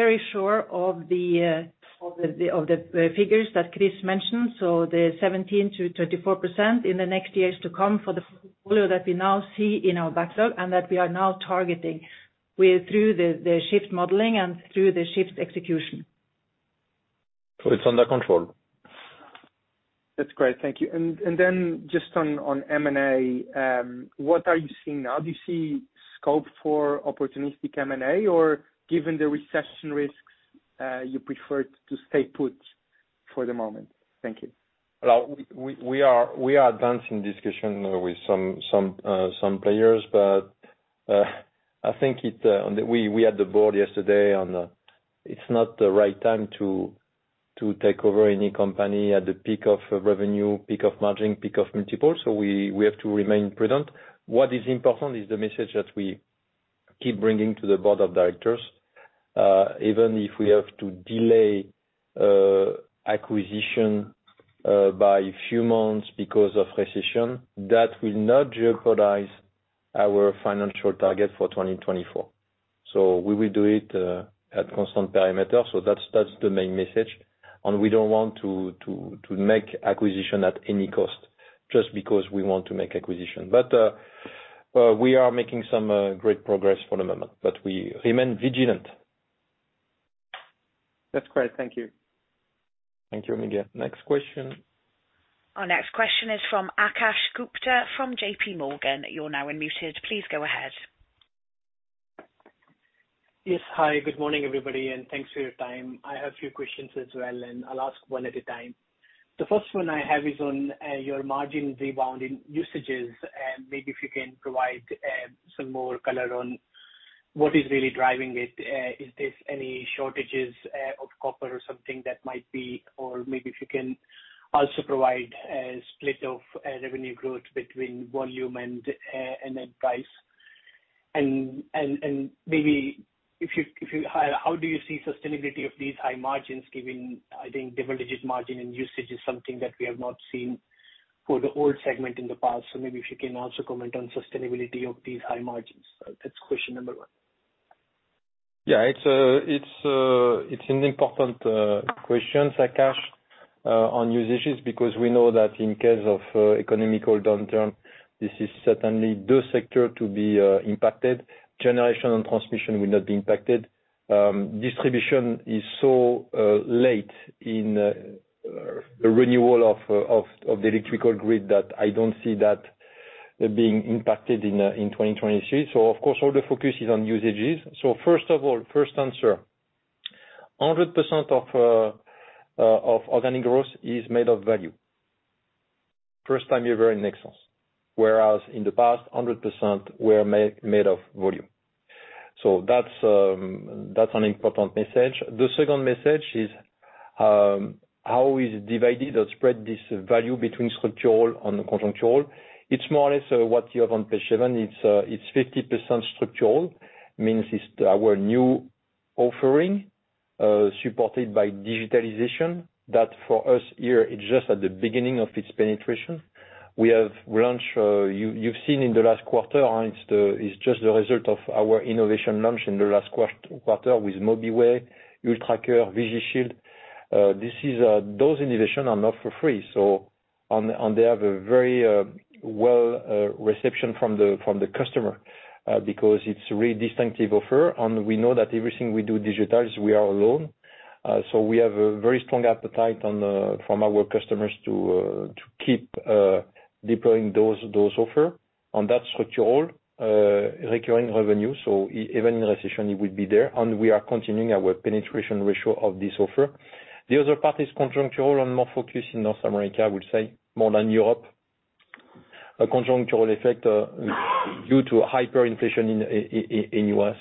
very sure of the figures that Chris mentioned. The 17%-24% in the next years to come for the portfolio that we now see in our backlog and that we are now targeting through the SHIFT modeling and through the SHIFT execution. It's under control. That's great. Thank you. Just on M&A, what are you seeing now? Do you see scope for opportunistic M&A or given the recession risks, you prefer to stay put for the moment? Thank you. Well, we are advancing discussion with some players, but we had the board yesterday. It's not the right time to take over any company at the peak of revenue, peak of margin, peak of multiples, so we have to remain prudent. What is important is the message that we keep bringing to the Board of Directors. Even if we have to delay acquisition by a few months because of recession, that will not jeopardize our financial target for 2024. We will do it at constant parameter. That's the main message. We don't want to make acquisition at any cost just because we want to make acquisition. We are making some great progress for the moment, but we remain vigilant. That's great. Thank you. Thank you, Miguel. Next question. Our next question is from Akash Gupta from JPMorgan. You're now unmuted. Please go ahead. Yes. Hi, good morning, everybody, and thanks for your time. I have a few questions as well, and I'll ask one at a time. The first one I have is on your margin rebound in usage, and maybe if you can provide some more color on what is really driving it. Is there any shortages of copper or something that might be, or maybe if you can also provide a split of revenue growth between volume and then price. Maybe how do you see sustainability of these high margins given, I think, double-digit margin and Usage is something that we have not seen for the whole segment in the past. Maybe if you can also comment on sustainability of these high margins. That's question number one. Yeah. It's an important question, Akash, on usages because we know that in case of economic downturn, this is certainly the sector to be impacted. Generation and transmission will not be impacted. Distribution is so late in the renewal of the electrical grid that I don't see that being impacted in 2023. Of course, all the focus is on usages. First of all, first answer, 100% of organic growth is made of value. First time ever in Nexans. Whereas in the past, 100% were made of volume. That's an important message. The second message is, how is it divided or spread this value between structural and the controllable? It's more or less what you have on page seven. It's 50% structural. Means it's our new offering, supported by digitalization. That for us, here, it's just at the beginning of its penetration. We have launched, you've seen in the last quarter, and it's just the result of our innovation launch in the last quarter with MOBIWAY, ULTRACKER, VIGISHIELD. This is, those innovation are not for free. So on the other very well reception from the customer, because it's a really distinctive offer, and we know that everything we do digitized, we are alone. So we have a very strong appetite on from our customers to keep deploying those offer on that structural recurring revenue. Even in recession, it will be there, and we are continuing our penetration ratio of this offer. The other part is control and more focus in North America, I would say, more than Europe. A conjunctural effect due to hyperinflation in U.S.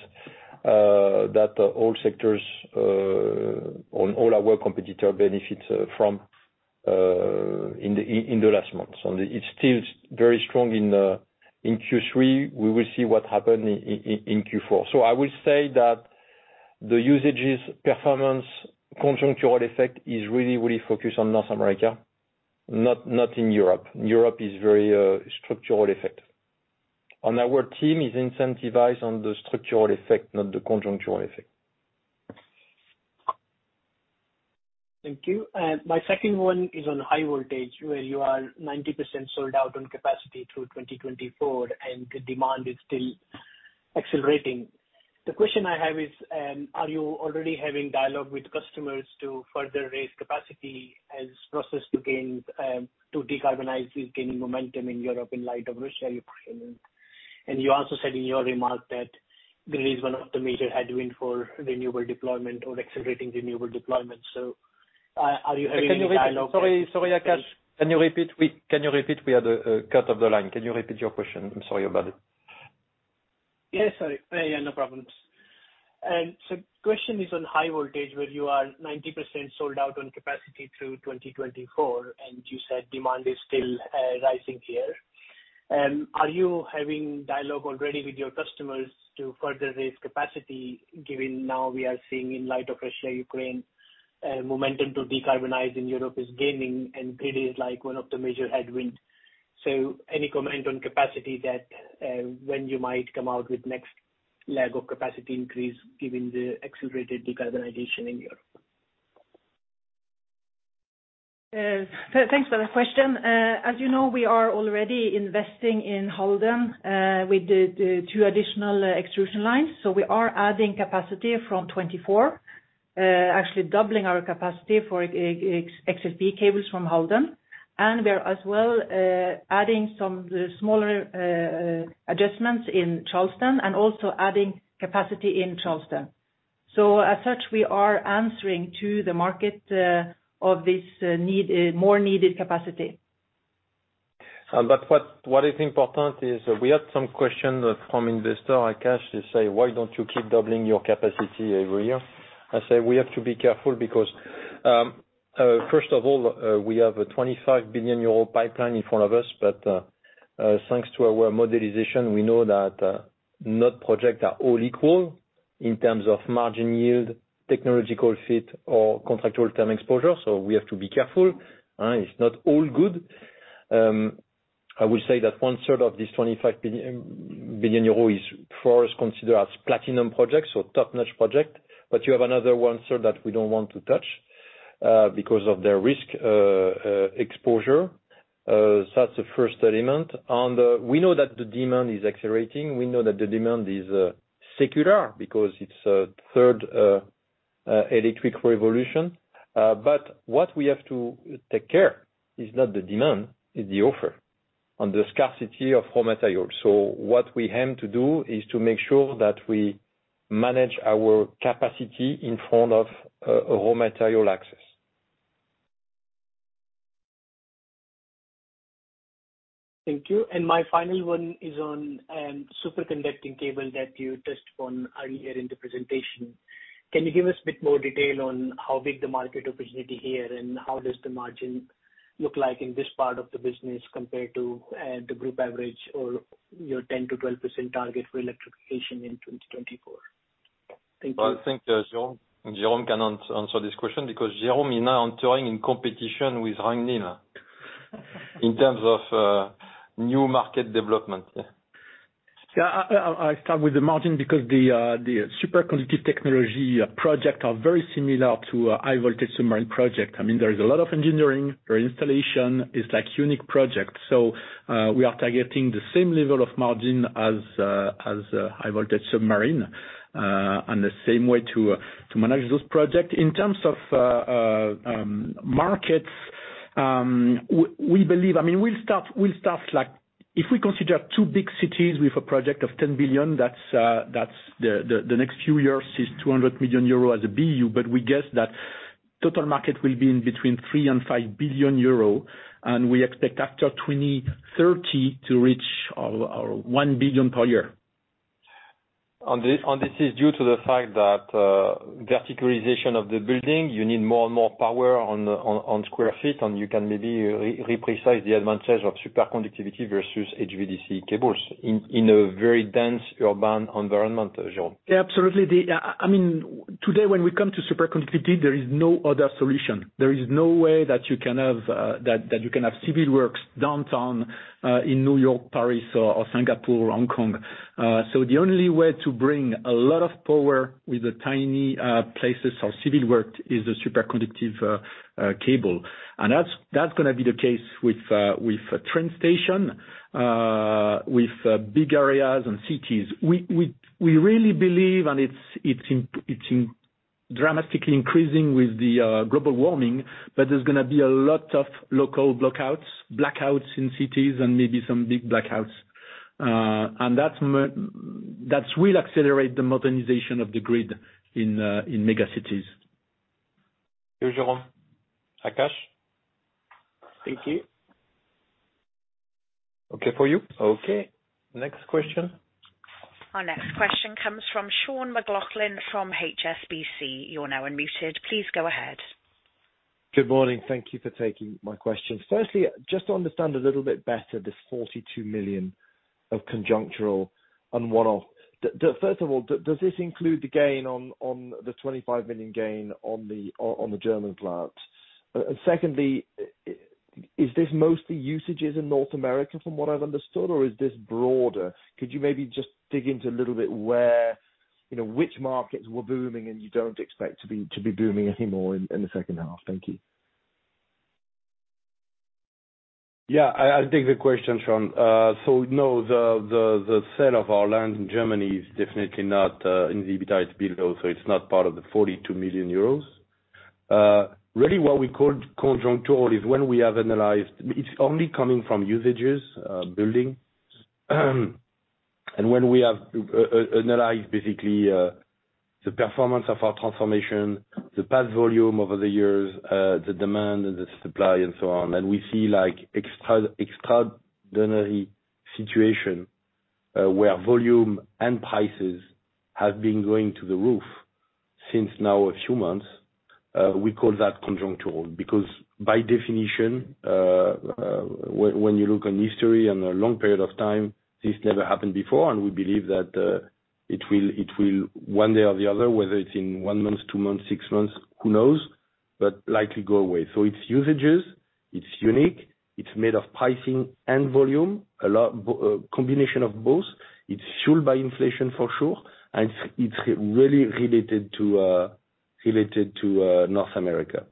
that all sectors and all our competitors benefit from in the last months. It's still very strong in Q3. We will see what happens in Q4. I will say that the usages performance conjunctural effect is really, really focused on North America, not in Europe. Europe is very structural effect. Our team is incentivized on the structural effect, not the conjunctural effect. Thank you. My second one is on high voltage, where you are 90% sold out on capacity through 2024, and the demand is still accelerating. The question I have is, are you already having dialogue with customers to further raise capacity as the process to decarbonize is gaining momentum in Europe in light of Russia-Ukraine? You also said in your remarks that there is one of the major headwinds for renewable deployment or accelerating renewable deployment. Are you having a dialogue- Sorry, Akash. Can you repeat? We had a cut of the line. Can you repeat your question? I'm sorry about it. Yeah. Sorry. Yeah, no problems. Question is on high voltage, where you are 90% sold out on capacity through 2024, and you said demand is still rising here. Are you having dialogue already with your customers to further raise capacity, given now we are seeing in light of Russia-Ukraine momentum to decarbonize in Europe is gaining, and grid is like one of the major headwind. Any comment on capacity that when you might come out with next leg of capacity increase given the accelerated decarbonization in Europe? Thanks for that question. As you know, we are already investing in Halden with the two additional extrusion lines. We are adding capacity from 2024, actually doubling our capacity for XLPE cables from Halden. We're as well adding some of the smaller adjustments in Charleston and also adding capacity in Charleston. As such, we are answering to the market of this need more needed capacity. What is important is we had some questions from investor Akash Gupta to say, "Why don't you keep doubling your capacity every year?" I say we have to be careful because, first of all, we have a 25 billion euro pipeline in front of us. Thanks to our modeling, we know that not all projects are equal in terms of margin yield, technological fit or contractual term exposure. So we have to be careful. It's not all good. I will say that 1/3 of this 25 billion euro is for us considered as platinum projects, so top-notch projects. You have another 1/3 that we don't want to touch because of their risk exposure. So that's the first element. We know that the demand is accelerating. We know that the demand is secular because it's the third electric revolution. What we have to take care of is not the demand, it's the offer and the scarcity of raw material. What we aim to do is to make sure that we manage our capacity in front of a raw material access. Thank you. My final one is on superconducting cable that you touched upon earlier in the presentation. Can you give us a bit more detail on how big the market opportunity here, and how does the margin look like in this part of the business compared to the group average or your 10%-12% target for electrification in 2024? Thank you. I think, Jérôme can answer this question because Jérôme is now entering in competition with Ragnhild in terms of new market development. Yeah. I start with the margin because the superconductive technology project are very similar to a high voltage submarine project. I mean, there is a lot of engineering. Your installation is like unique project. We are targeting the same level of margin as high voltage submarine and the same way to manage those projects. In terms of markets, we believe. I mean, we'll start like if we consider two big cities with a project of 10 billion, that's the next few years is 200 million euro as a BU, but we guess that total market will be in between 3 billion-5 billion euro, and we expect after 2030 to reach 1 billion per year. This is due to the fact that verticalization of the building, you need more and more power per square foot, and you can maybe re-emphasize the advantage of superconductivity versus HVDC cables in a very dense urban environment, Jérôme. Yeah, absolutely. I mean, today when we come to superconductivity, there is no other solution. There is no way that you can have civil works downtown in New York, Paris or Singapore, Hong Kong. So the only way to bring a lot of power with the tiny places or civil work is a superconductive cable. That's gonna be the case with a train station with big areas and cities. We really believe, and it's dramatically increasing with the global warming, but there's gonna be a lot of local blackouts in cities and maybe some big blackouts. That will accelerate the modernization of the grid in mega cities. Thank you, Jérôme. Akash? Thank you. Okay for you? Okay. Next question. Our next question comes from Sean McLoughlin from HSBC. You're now unmuted. Please go ahead. Good morning. Thank you for taking my question. First, just to understand a little bit better this 42 million of conjunctural and one-off. First of all, does this include the gain on the 25 million gain on the German plant? Second, is this mostly usage in North America from what I've understood, or is this broader? Could you maybe just dig into a little bit where, you know, which markets were booming and you don't expect to be booming anymore in the second half? Thank you. Yeah. I take the question, Sean. No, the sale of our land in Germany is definitely not in the EBITDA build, so it's not part of the 42 million euros. Really what we call conjunctural is when we have analyzed basically the performance of our transformation, the past volume over the years, the demand and the supply and so on, and we see like extraordinary situation where volume and prices have been going through the roof since now a few months, we call that conjunctural. Because by definition, when you look back on history over a long period of time, this never happened before, and we believe that it will one day or the other, whether it's in one month, two months, six months, who knows, but likely go away. It's usage is unique, it's made of pricing and volume. A lot, combination of both. It's fueled by inflation for sure, and it's really related to North America.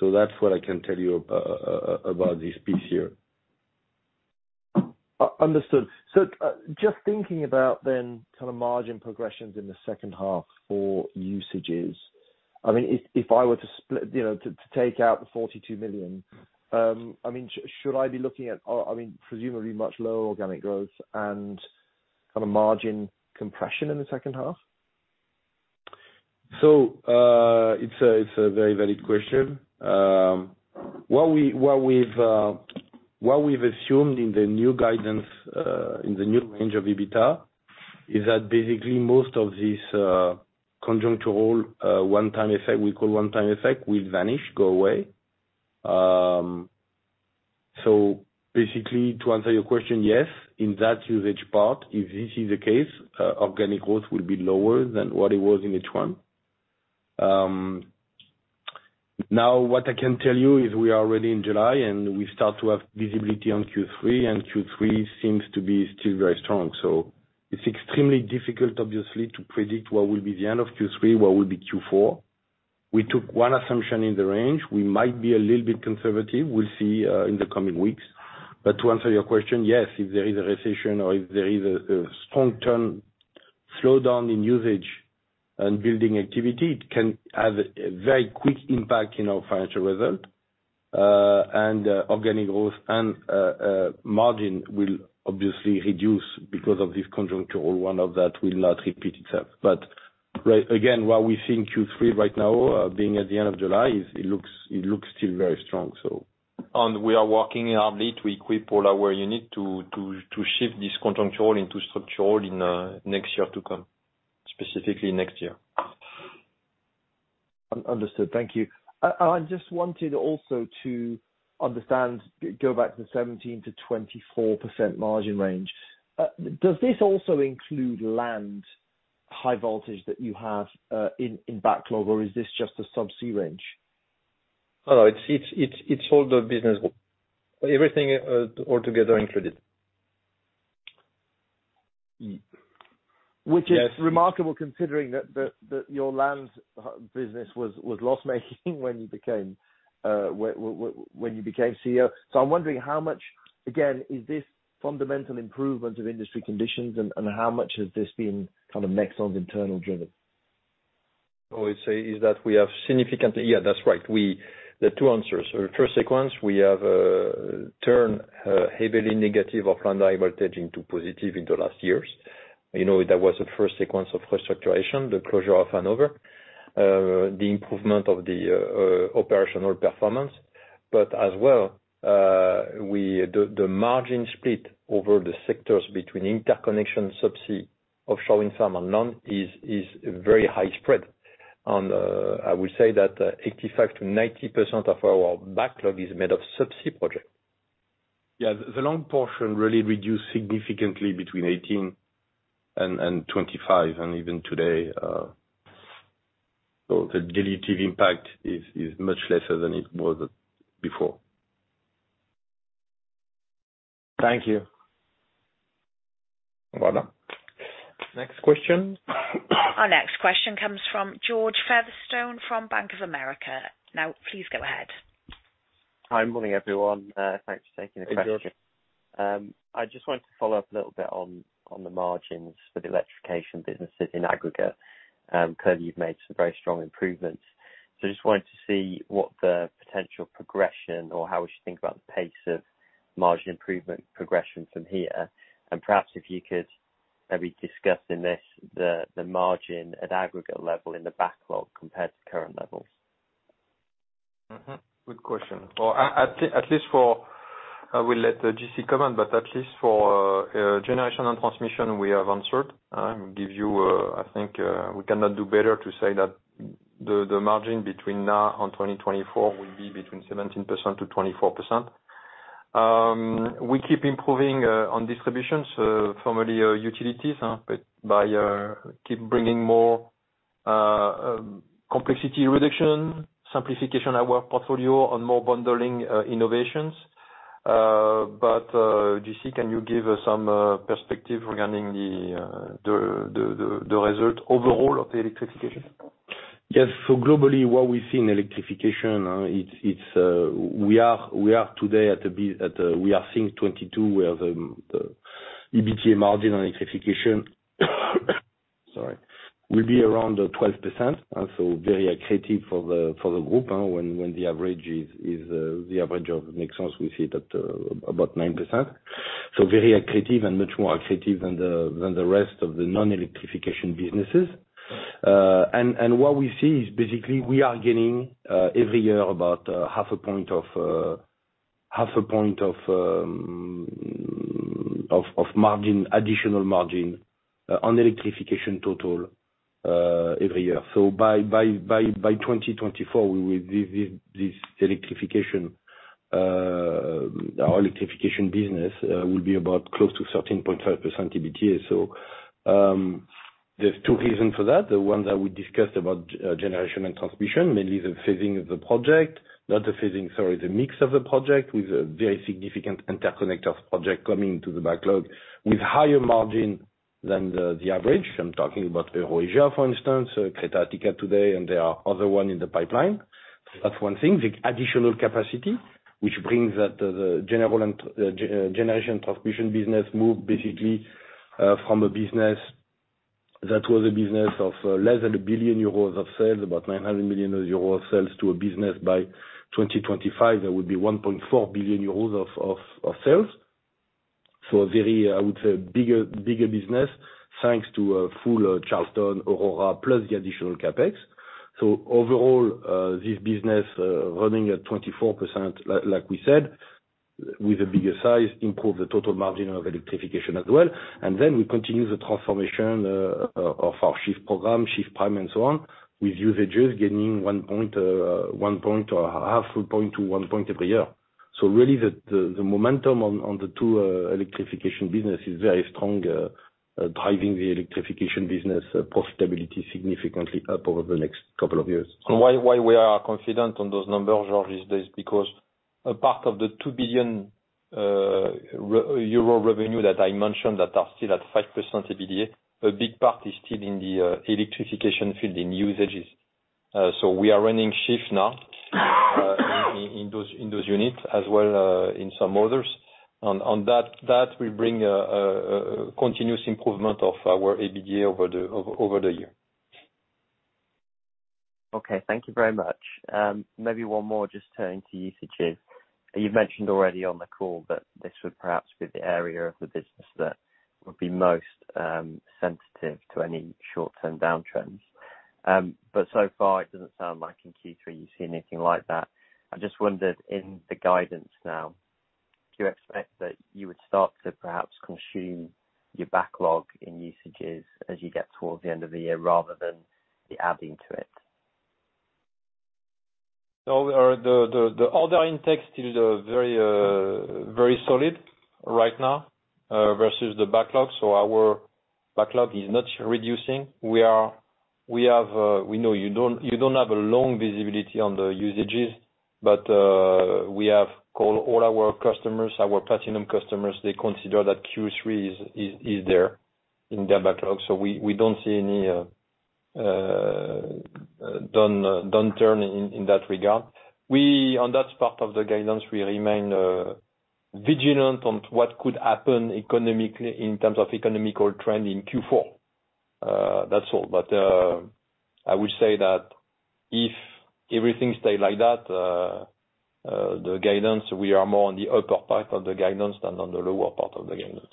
That's what I can tell you about this piece here. Understood. Just thinking about then kind of margin progressions in the second half for usages. I mean, if I were to split, you know, to take out the 42 million, I mean, should I be looking at, or I mean presumably much lower organic growth and kind of margin compression in the second half? It's a very valid question. What we've assumed in the new guidance, in the new range of EBITDA, is that basically most of this conjunctural one-time effect, we call one-time effect, will vanish, go away. Basically to answer your question, yes, in that usage part, if this is the case, organic growth will be lower than what it was in H1. Now what I can tell you is we are already in July, and we start to have visibility on Q3, and Q3 seems to be still very strong. It's extremely difficult obviously to predict what will be the end of Q3, what will be Q4. We took one assumption in the range. We might be a little bit conservative. We'll see in the coming weeks. To answer your question, yes, if there is a recession or if there is a strong downturn in usage and building activity, it can have a very quick impact in our financial result. Organic growth and margin will obviously reduce because of this conjunctural. One that will not repeat itself. Right again, what we see in Q3 right now, being at the end of July, is it looks still very strong. We are working hard to equip all our units to SHIFT this conjunctural into structural in next year to come. Specifically next year. Understood. Thank you. I just wanted also to understand, go back to the 17%-24% margin range. Does this also include land high voltage that you have in backlog, or is this just a subsea range? Oh, no. It's all the business. Everything, all together included. Which is- Yes. Remarkable considering that your land business was loss-making when you became CEO. I'm wondering how much, again, is this fundamental improvement of industry conditions and how much has this been kind of Nexans internal driven? I would say that we have significant. There are two answers. First sequence, we have turned heavily negative of land high voltage into positive in the last years. You know, that was the first sequence of cost structure, the closure of Hanover, the improvement of the operational performance. As well, the margin split over the sectors between interconnection subsea offshore, wind farm and land is a very high spread. I would say that 85%-90% of our backlog is made of subsea project. The land portion really reduced significantly between 2018 and 2025, and even today, so the dilutive impact is much lesser than it was before. Thank you. Voilà. Next question. Our next question comes from George Featherstone from Bank of America. Now, please go ahead. Hi. Morning, everyone. Thanks for taking the question. Hey, George. I just wanted to follow up a little bit on the margins for the electrification businesses in aggregate. Clearly you've made some very strong improvements. Just wanted to see what the potential progression or how we should think about the pace of margin improvement progression from here. Perhaps if you could maybe discuss this, the margin at aggregate level in the backlog compared to current levels. Good question. Well, at least for, I will let J-C comment, but at least for generation and transmission, we have answered. I will give you, I think, we cannot do better to say that the margin between now and 2024 will be between 17%-24%. We keep improving on distribution, so formerly utilities, but by keep bringing more complexity reduction, simplification our portfolio on more bundling innovations. J-C, can you give some perspective regarding the result overall of the electrification? Yes. Globally, what we see in electrification, it's we are today at, we are seeing 2022 where the EBITDA margin on electrification will be around 12%, so very attractive for the group, when the average is the average of Nexans we see it at about 9%. Very attractive and much more attractive than the rest of the non-electrification businesses. What we see is basically we are gaining every year about 0.5 point of margin, additional margin on electrification total every year. By 2024, we will this electrification our electrification business will be about close to 13.5% EBITDA. There are two reasons for that. The one that we discussed about generation and transmission, mainly the mix of the project with a very significant interconnector project coming to the backlog with higher margin than the average. I'm talking about EuroAsia, for instance, Crete-Attica today, and there are others in the pipeline. That's one thing. The additional capacity which brings that the generation and transmission business moves basically from a business that was a business of less than 1 billion euros of sales, about 900 million euros of sales to a business by 2025, that would be 1.4 billion euros of sales. Very, I would say bigger business thanks to a full Charleston Aurora plus the additional CapEx. Overall, this business running at 24%, like we said, with a bigger size improve the total margin of electrification as well. We continue the transformation of our SHIFT program, SHIFT Prime and so on, with usages gaining 1 point or 0.5 point to 1 point every year. Really, the momentum on the two electrification business is very strong, driving the electrification business profitability significantly up over the next couple of years. Why we are confident on those numbers, George, is because a part of the 2 billion euro revenue that I mentioned that are still at 5% EBITDA, a big part is still in the electrification field in usages. We are running SHIFT now in those units as well, in some others. On that will bring a continuous improvement of our EBITDA over the year. Okay. Thank you very much. Maybe one more just turning to usages. You've mentioned already on the call that this would perhaps be the area of the business that would be most sensitive to any short-term downtrends. So far, it doesn't sound like in Q3 you see anything like that. I just wondered in the guidance now, do you expect that you would start to perhaps consume your backlog in usages as you get towards the end of the year rather than be adding to it? The order intake is very solid right now versus the backlog. Our backlog is not reducing. We know you don't have a long visibility on the usages, but we have called all our customers, our platinum customers. They consider that Q3 is there in their backlog. We don't see any downturn in that regard. We, on that part of the guidance, we remain vigilant on what could happen economically in terms of economic trend in Q4. That's all. I would say that if everything stay like that, the guidance, we are more on the upper part of the guidance than on the lower part of the guidance.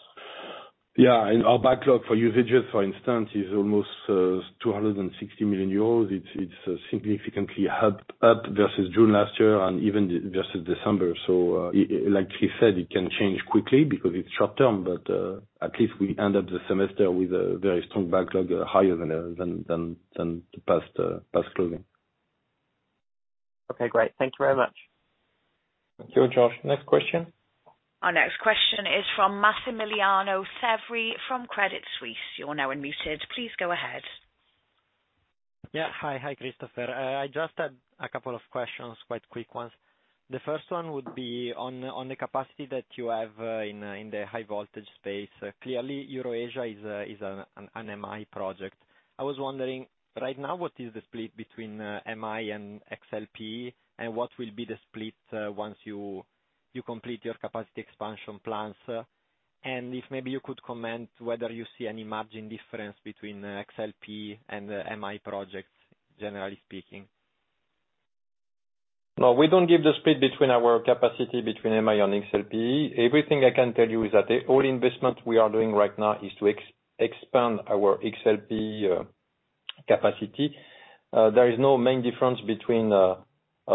Our backlog for usages, for instance, is almost 260 million euros. It's significantly up versus June last year and even just December. Like he said, it can change quickly because it's short term, but at least we end of the semester with a very strong backlog, higher than the past closing. Okay, great. Thank you very much. Thank you, George. Next question. Our next question is from Massimiliano Severi from Credit Suisse. You're now unmuted. Please go ahead. Yeah. Hi. Hi, I just had a couple of questions, quite quick ones. The first one would be on the capacity that you have in the high voltage space. Clearly, EuroAsia is an MI project. I was wondering right now, what is the split between MI and XLPE and what will be the split once you complete your capacity expansion plans? If maybe you could comment whether you see any margin difference between XLPE and the MI projects, generally speaking. No, we don't give the split between our capacity between MI and XLPE. Everything I can tell you is that all the investment we are doing right now is to expand our XLPE capacity. There is no main difference between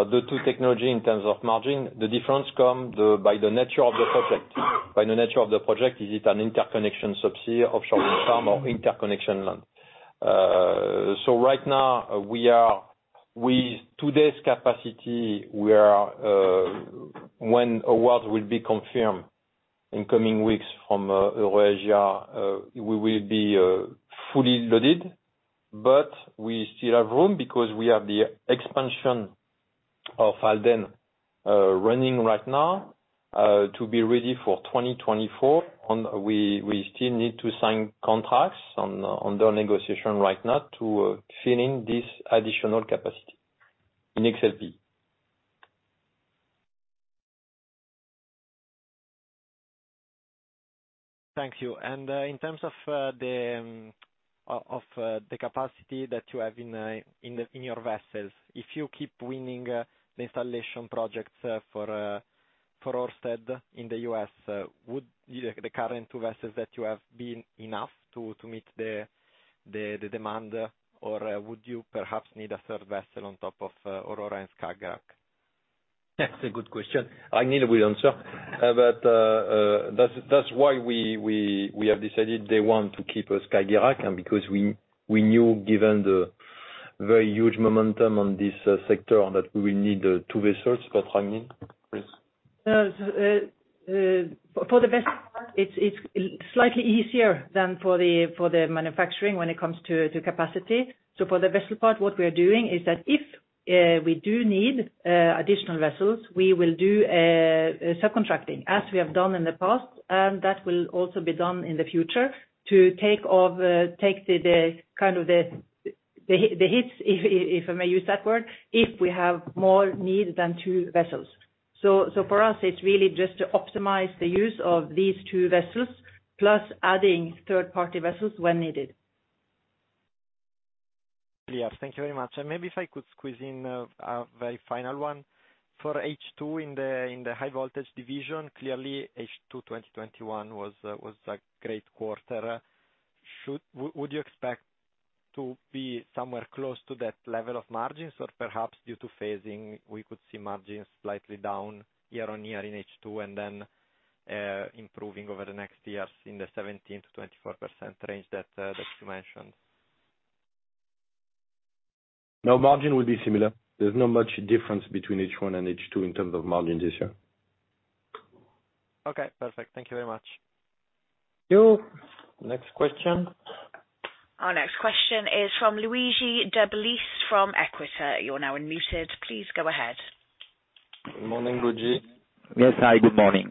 the two technologies in terms of margin. The difference comes by the nature of the project. By the nature of the project, is it an interconnection subsea offshore wind farm or interconnection land? Right now with today's capacity, when awards will be confirmed in coming weeks from EuroAsia, we will be fully loaded, but we still have room because we have the expansion of Halden running right now to be ready for 2024. We still need to sign contracts on the negotiation right now to fill this additional capacity in XLPE. Thank you. In terms of the capacity that you have in your vessels, if you keep winning the installation projects for Ørsted in the U.S., would the current two vessels that you have be enough to meet the demand? Or would you perhaps need a third vessel on top of Aurora and Skagerrak? That's a good question. I need a good answer. That's why we have decided they want to keep a Skagerrak and because we knew given the very huge momentum on this sector and that we will need two vessels. Ragnhild, please. For the vessel part, it's slightly easier than for the manufacturing when it comes to capacity. For the vessel part, what we are doing is that if we do need additional vessels, we will do subcontracting, as we have done in the past, and that will also be done in the future to take the kind of the hits, if I may use that word, if we have more need than two vessels. For us, it's really just to optimize the use of these two vessels plus adding third party vessels when needed. Yes, thank you very much. Maybe if I could squeeze in a very final one. For H2 in the high voltage division, clearly H2 2021 was a great quarter. Would you expect to be somewhere close to that level of margins or perhaps due to phasing, we could see margins slightly down year-over-year in H2 and then improving over the next years in the 17%-24% range that you mentioned? No, margin will be similar. There's not much difference between H1 and H2 in terms of margins this year. Okay, perfect. Thank you very much. Thank you. Next question. Our next question is from Luigi De Bellis from Equita. You're now unmuted. Please go ahead. Morning, Luigi. Yes. Hi, good morning.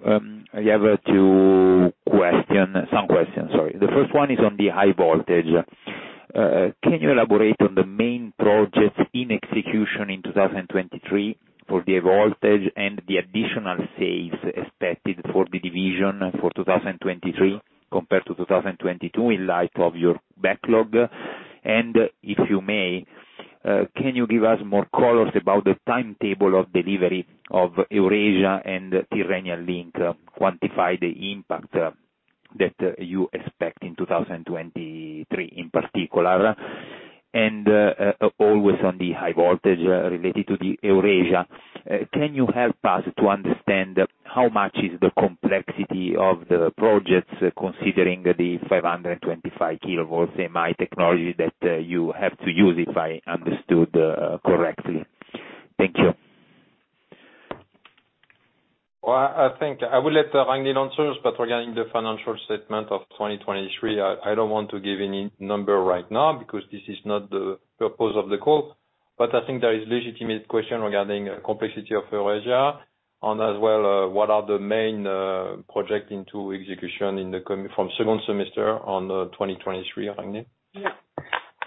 I have two questions, sorry. The first one is on the High Voltage. Can you elaborate on the main projects in execution in 2023 for the High Voltage and the additional savings expected for the division for 2023 compared to 2022 in light of your backlog? If you may, can you give us more color about the timetable of delivery of EuroAsia and Tyrrhenian Link, quantify the impact that you expect in 2023 in particular? Always on the High Voltage related to the EuroAsia, can you help us to understand how much is the complexity of the projects, considering the 525 kV MI technology that you have to use, if I understood correctly? Thank you. Well, I think I will let Ragnhild answer, but regarding the financial statement of 2023, I don't want to give any number right now because this is not the purpose of the call. I think there is legitimate question regarding complexity of EuroAsia and as well, what are the main project into execution in the from second semester on, 2023, Ragnhild.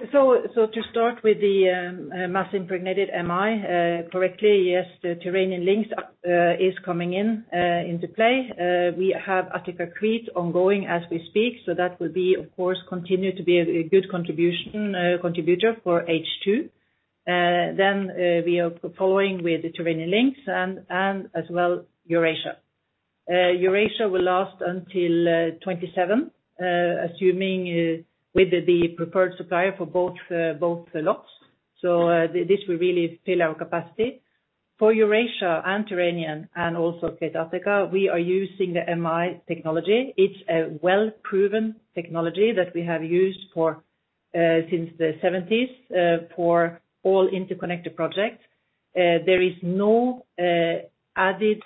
To start with the mass impregnated MI correctly, yes, the Tyrrhenian Link is coming into play. We have Attica-Crete ongoing as we speak, so that will, of course, continue to be a good contributor for H2. We are following with the Tyrrhenian Link and as well EuroAsia. EuroAsia will last until 2027, assuming with the preferred supplier for both the lots. This will really fill our capacity. For EuroAsia and Tyrrhenian and also Attica-Crete, we are using the MI technology. It's a well-proven technology that we have used since the seventies for all interconnected projects. There is no added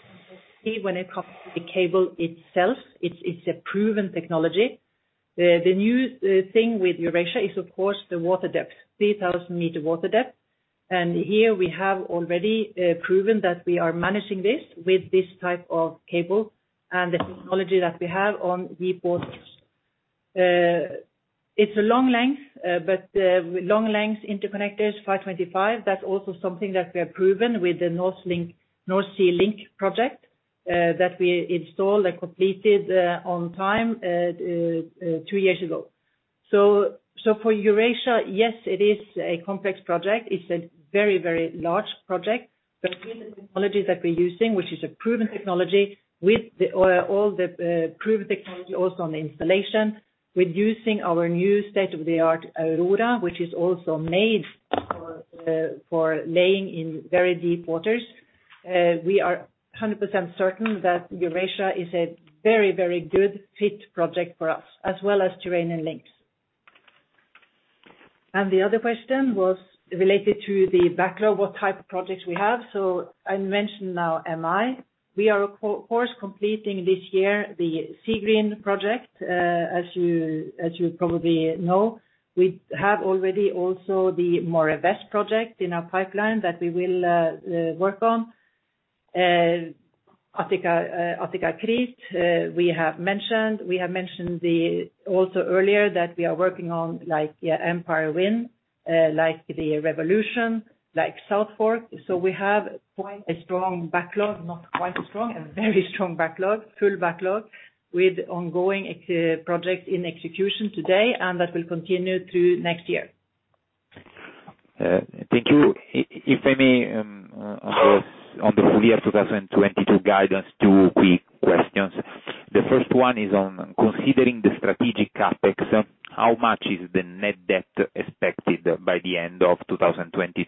fee when it comes to the cable itself. It's a proven technology. The new thing with EuroAsia is of course the water depth, 3,000 m water depth. Here we have already proven that we are managing this with this type of cable and the technology that we have on vessels. It's a long length interconnectors, 525 kV, that's also something that we have proven with the North Sea Link project that we installed and completed on time two years ago. For EuroAsia, yes, it is a complex project. It's a very, very large project. With the technologies that we're using, which is a proven technology, with all the proven technology also on the installation, we're using our new state-of-the-art Aurora, which is also made for laying in very deep waters. We are 100% certain that EuroAsia is a very, very good fit project for us, as well as Tyrrhenian Link. The other question was related to the backlog, what type of projects we have. I mentioned now MI. We are of course completing this year the Seagreen project. As you probably know, we have already also the Moray West project in our pipeline that we will work on. Attica-Crete, we have mentioned. We have mentioned also earlier that we are working on, like, Empire Wind, like the Revolution Wind, like South Fork Wind. We have quite a strong backlog. Not quite strong, a very strong backlog, full backlog with ongoing projects in execution today, and that will continue through next year. Thank you. If I may, on the full year 2022 guidance, two quick questions. The first one is on considering the strategic CapEx, how much is the net debt expected by the end of 2022?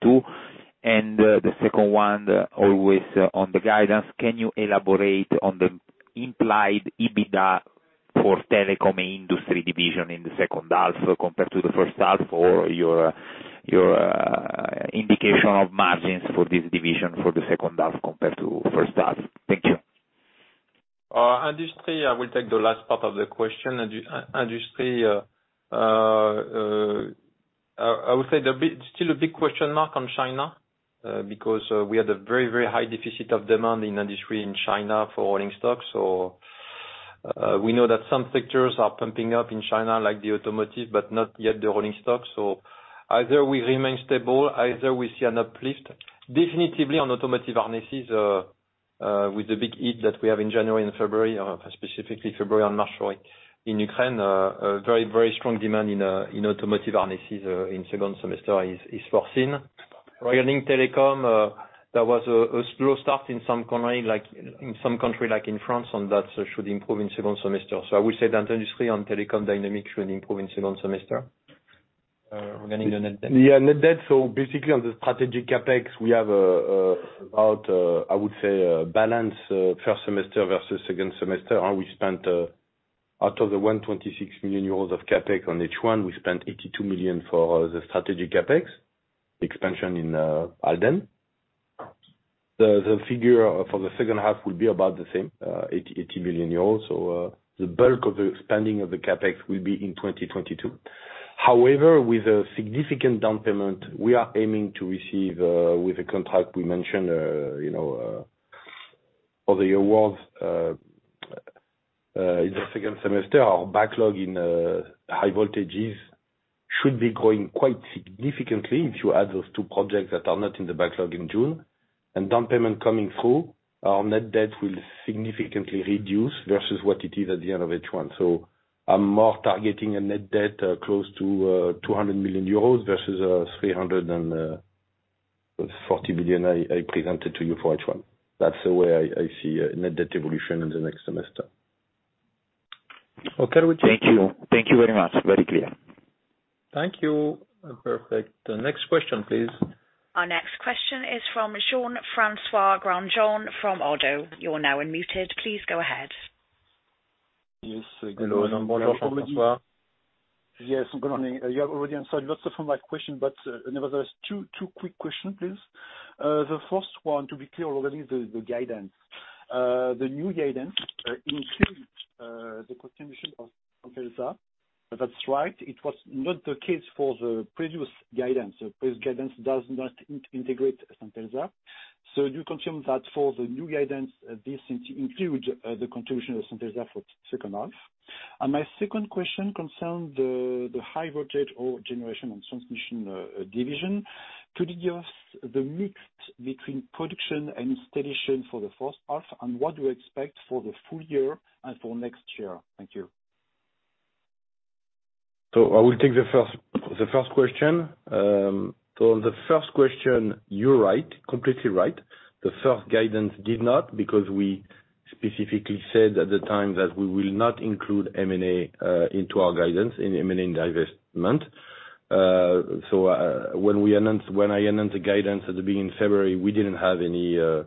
The second one, always on the guidance, can you elaborate on the implied EBITDA for telecom industry division in the second half so compared to the first half for your indication of margins for this division for the second half compared to first half? Thank you. Industry, I will take the last part of the question. Industry, I would say there's still a big question mark on China, because we had a very high deficit of demand in industry in China for rolling stock. We know that some sectors are pumping up in China, like the automotive, but not yet the rolling stock. Either we remain stable, either we see an uplift. Definitely on automotive harnesses, with the big hit that we have in January and February, specifically February and March, right, in Ukraine, a very strong demand in automotive harnesses in second semester is foreseen. Regarding telecom, there was a slow start in some country like in France, and that should improve in second semester. I would say that industry and telecom dynamics should improve in second semester. Regarding the net debt. Yeah, net debt. Basically on the strategic CapEx, we have about, I would say a balance, first semester versus second semester, how we spent out of the 126 million euros of CapEx on H1, we spent 82 million for the strategic CapEx expansion in Halden. The figure for the second half would be about the same, 80 million euros. The bulk of the expanding of the CapEx will be in 2022. However, with a significant down payment we are aiming to receive with the contract we mentioned, you know, for the awards in the second semester, our backlog in high voltages should be growing quite significantly if you add those two projects that are not in the backlog in June. Down payment coming through, our net debt will significantly reduce versus what it is at the end of H1. I'm more targeting a net debt close to 200 million euros versus 340 million I presented to you for H1. That's the way I see a net debt evolution in the next semester. Okay, thank you. Thank you. Thank you very much. Very clear. Thank you. Perfect. The next question, please. Our next question is from Jean-François Granjon from ODDO. You're now unmuted. Please go ahead. Yes. Good morning. Hello. Bonjour, Jean-François Granjon. Yes, good morning. You have already answered lots of my questions, but nevertheless, two quick questions, please. The first one, to be clear, the guidance. The new guidance includes the contribution of Centelsa. If that's right, it was not the case for the previous guidance. The previous guidance does not integrate Centelsa. Do you confirm that for the new guidance, this includes the contribution of Centelsa for second half? And my second question concerns the high voltage Generation and Transmission division. Could you give us the mix between production and installation for the first half, and what do you expect for the full year and for next year? Thank you. I will take the first question. The first question, you're right, completely right. The first guidance did not, because we specifically said at the time that we will not include M&A into our guidance in M&A and divestment. When I announced the guidance at the beginning of February, we didn't have any, I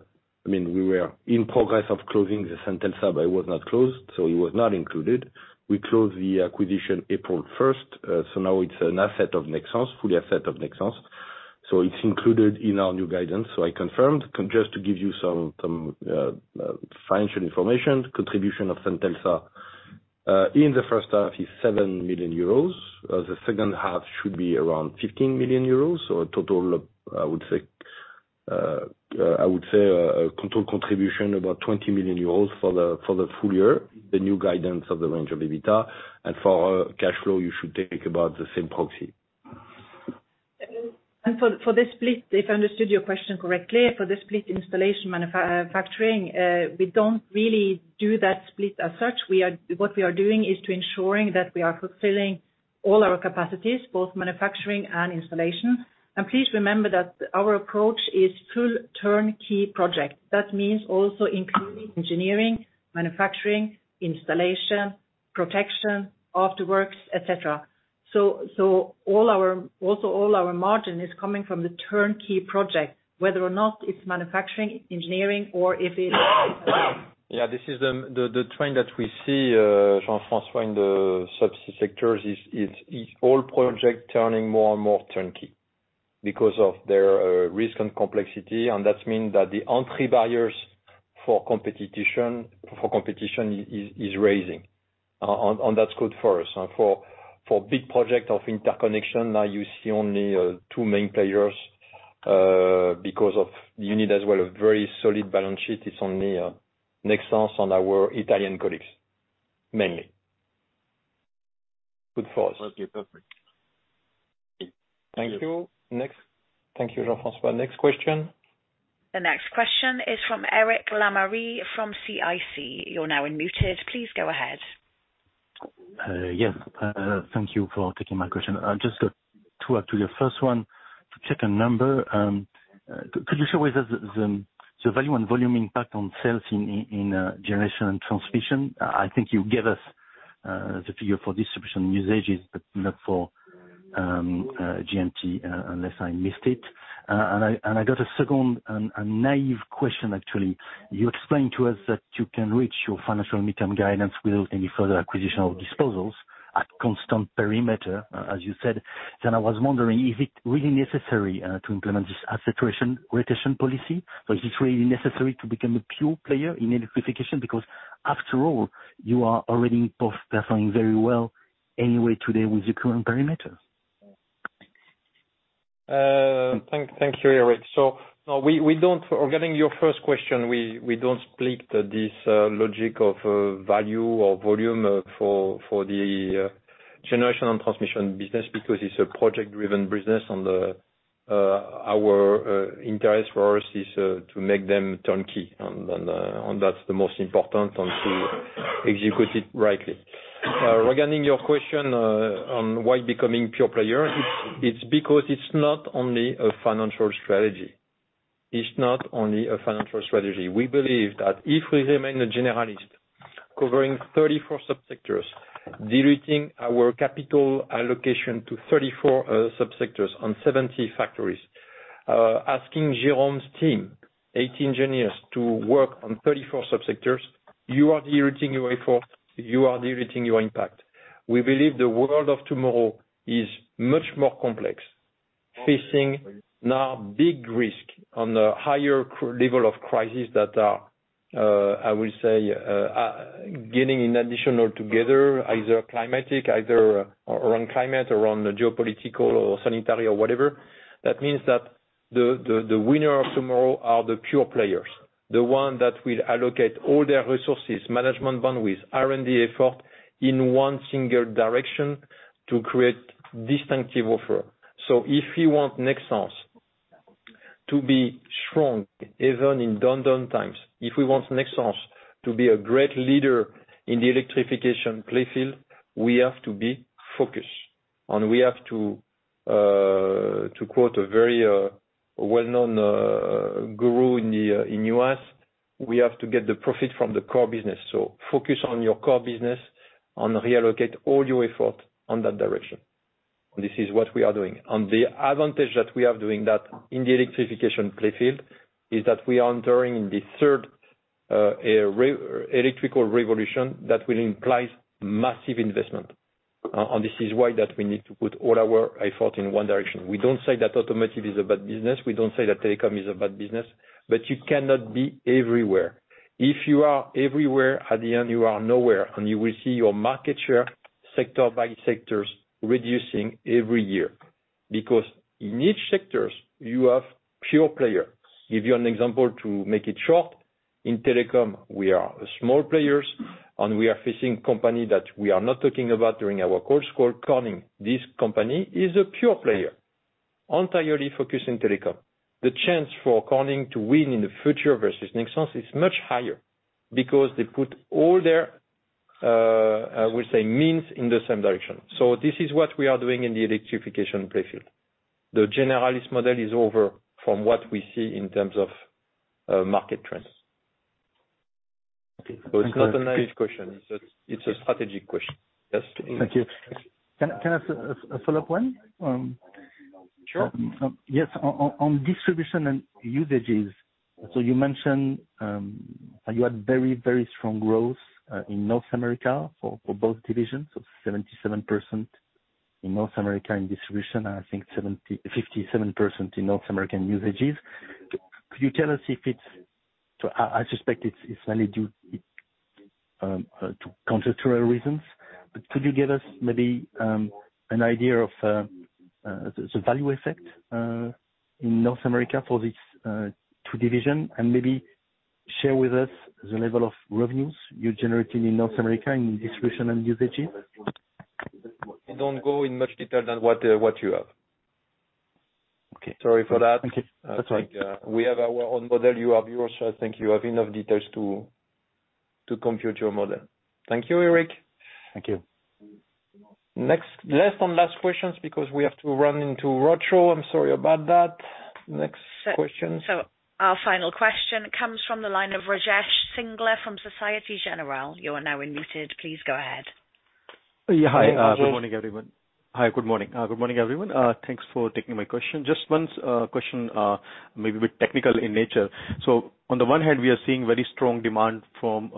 mean, we were in progress of closing the Centelsa, but it was not closed, so it was not included. We closed the acquisition April 1st. Now it's an asset of Nexans, full asset of Nexans. It's included in our new guidance. I confirmed. Just to give you some financial information, contribution of Centelsa in the first half is 7 million euros. The second half should be around 15 million euros. I would say a total contribution about 20 million euros for the full year, the new guidance of the range of EBITDA. For cash flow, you should think about the same proxy. For the split, if I understood your question correctly, for the split installation manufacturing, we don't really do that split as such. What we are doing is to ensuring that we are fulfilling all our capacities, both manufacturing and installation. Please remember that our approach is full turnkey project. That means also including engineering, manufacturing, installation, protection, after works, et cetera. All our margin is coming from the turnkey project, whether or not it's manufacturing, engineering or if it's Yeah, this is the trend that we see, Jean-François, in the sub sectors is all project turning more and more turnkey because of their risk and complexity, and that's mean that the entry barriers for competition is raising. That's good for us. For big project of interconnection, now you see only two main players, because you need as well a very solid balance sheet. It's only Nexans and our Italian colleagues mainly. Good for us. Okay, perfect. Thank you. Next. Thank you, Jean-François. Next question. The next question is from Eric Lemarié from CIC. You're now unmuted. Please go ahead. Yes. Thank you for taking my question. I've just got two actually. First one, to check a number. Could you show us the value and volume impact on sales in generation and transmission? I think you gave us the figure for distribution business, but not for G&T, unless I missed it. I got a second and naive question actually. You explained to us that you can reach your financial mid-term guidance without any further acquisitions and disposals at constant perimeter, as you said. I was wondering, is it really necessary to implement this asset rotation policy? Is this really necessary to become a pure player in electrification? Because after all, you are already both performing very well anyway today with the current perimeter. Thank you, Eric. Regarding your first question, we don't split this logic of value or volume for the generation and transmission business because it's a project-driven business. Our interest for us is to make them turnkey. That's the most important, and to execute it rightly. Regarding your question on why becoming pure player, it's because it's not only a financial strategy. It's not only a financial strategy. We believe that if we remain a generalist covering 34 subsectors, diluting our capital allocation to 34 subsectors and 70 factories, asking Jérôme's team, eight engineers, to work on 34 subsectors, you are diluting your effort, you are diluting your impact. We believe the world of tomorrow is much more complex, facing now big risks on the higher level of crises that are, I will say, getting increasingly together, either climatic or economic or geopolitical or sanitary or whatever. That means that the winners of tomorrow are the pure players, the ones that will allocate all their resources, management bandwidth, R&D effort in one single direction to create distinctive offer. If you want Nexans to be strong even in down times, if we want Nexans to be a great leader in the electrification playing field, we have to be focused, and we have to quote a very well-known guru in the U.S., "We have to get the profit from the core business." Focus on your core business and reallocate all your effort on that direction. This is what we are doing. The advantage that we are doing that in the electrification playing field is that we are entering the third electrical revolution that will implies massive investment. This is why that we need to put all our effort in one direction. We don't say that automotive is a bad business. We don't say that telecom is a bad business. You cannot be everywhere. If you are everywhere, at the end, you are nowhere, and you will see your market share sector by sectors reducing every year. Because in each sectors, you have pure player. Give you an example to make it short. In telecom, we are small players, and we are facing company that we are not talking about during our coursework, Corning. This company is a pure player entirely focused in telecom. The chance for Corning to win in the future versus Nexans is much higher because they put all their, I will say means in the same direction. This is what we are doing in the electrification playing field. The generalist model is over from what we see in terms of market trends. Okay. Thank you. It's not a naive question. It's a strategic question. Yes. Thank you. Can I follow up one? Sure. Yes. On distribution and usages, you mentioned you had very strong growth in North America for both divisions, so 77% in North America in distribution and I think 57% in North American usages. Could you tell us if it's mainly due to conjuctual reasons. But could you give us maybe an idea of the value effect in North America for this two division? And maybe share with us the level of revenues you're generating in North America in distribution and usages. We don't go in much detail than what you have. Okay. Sorry for that. Okay. That's fine. Like, we have our own model, you have yours, so I think you have enough details to compute your model. Thank you, Eric. Thank you. Next, last and last questions, because we have to run into roadshow. I'm sorry about that. Next question. Our final question comes from the line of Rajesh Singla from Societe Generale. You are now unmuted. Please go ahead. Yeah. Hi. Rajesh. Good morning, everyone. Hi, good morning. Good morning, everyone. Thanks for taking my question. Just one question, maybe a bit technical in nature. On the one hand, we are seeing very strong demand for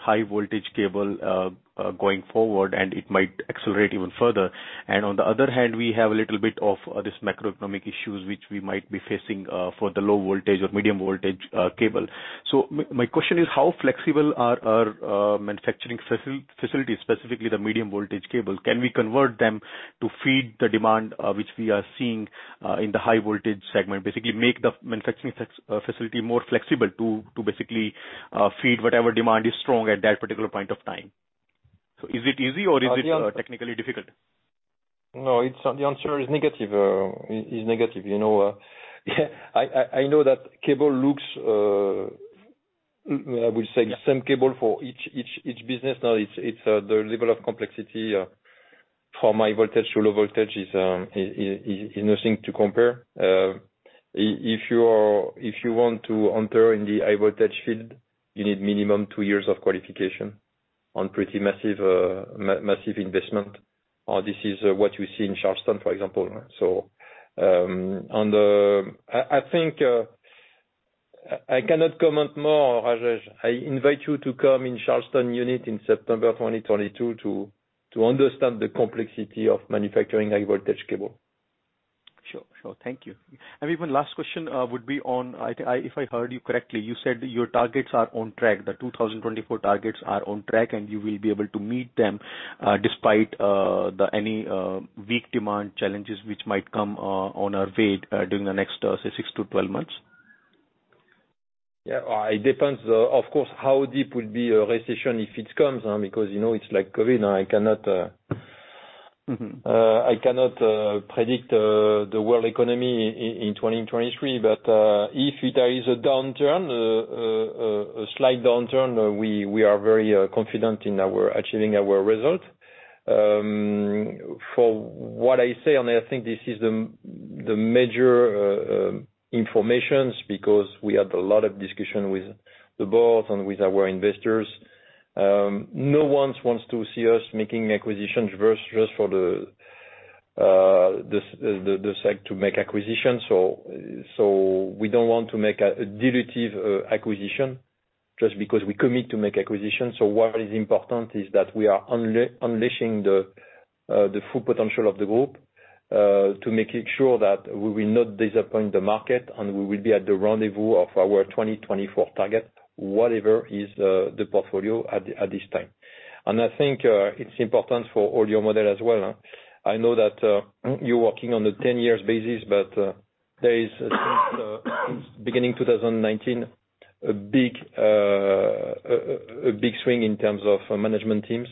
high voltage cable going forward, and it might accelerate even further. On the other hand, we have a little bit of this macroeconomic issues which we might be facing for the low voltage or medium voltage cable. My question is, how flexible are our manufacturing facilities, specifically the medium voltage cable? Can we convert them to feed the demand which we are seeing in the high voltage segment? Basically make the manufacturing facility more flexible to basically feed whatever demand is strong at that particular point of time. Is it easy, or is it technically difficult? No, it's not. The answer is negative. You know, I know that cable looks, I would say the same cable for each business. Now, it's the level of complexity from high voltage to low voltage is nothing to compare. If you want to enter in the high voltage field, you need minimum two years of qualification on pretty massive investment. This is what you see in Charleston, for example. I think I cannot comment more, Rajesh. I invite you to come in Charleston unit in September 2022 to understand the complexity of manufacturing high voltage cable. Sure. Thank you. Even last question would be on, if I heard you correctly, you said your targets are on track. The 2024 targets are on track, and you will be able to meet them despite any weak demand challenges which might come on our way during the next say six to 12 months. Yeah. It depends, of course, how deep will be a recession if it comes, because, you know, it's like COVID now. I cannot- Mm-hmm. I cannot predict the world economy in 2023. If there is a downturn, a slight downturn, we are very confident in achieving our result. For what I say, I think this is the major information, because we had a lot of discussion with the board and with our investors. No one wants to see us making acquisitions just for the sake to make acquisitions. We don't want to make a dilutive acquisition just because we commit to make acquisitions. What is important is that we are unleashing the full potential of the group to making sure that we will not disappoint the market, and we will be at the rendezvous of our 2024 target, whatever is the portfolio at this time. I think it's important for all your model as well. I know that you're working on the 10 years basis, but there is since beginning 2019, a big swing in terms of management teams.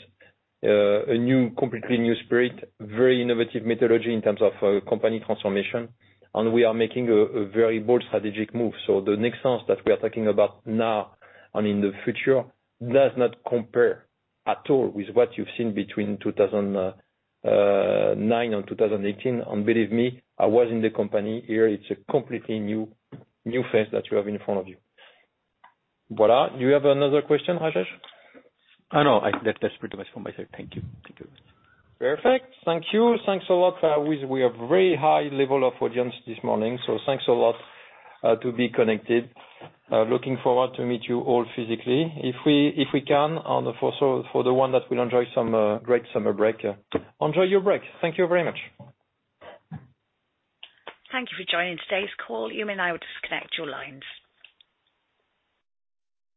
A completely new spirit. Very innovative methodology in terms of company transformation. We are making a very bold strategic move. The Nexans that we are talking about now and in the future does not compare at all with what you've seen between 2009 and 2018. Believe me, I was in the company. Here it's a completely new phase that you have in front of you. Voilà. Do you have another question, Rajesh? No, that's pretty much for my side. Thank you. Thank you. Perfect. Thank you. Thanks a lot. We have very high level of audience this morning, so thanks a lot to be connected. Looking forward to meet you all physically. If we can, for the one that will enjoy some great summer break, enjoy your break. Thank you very much. Thank you for joining today's call. You may now disconnect your lines.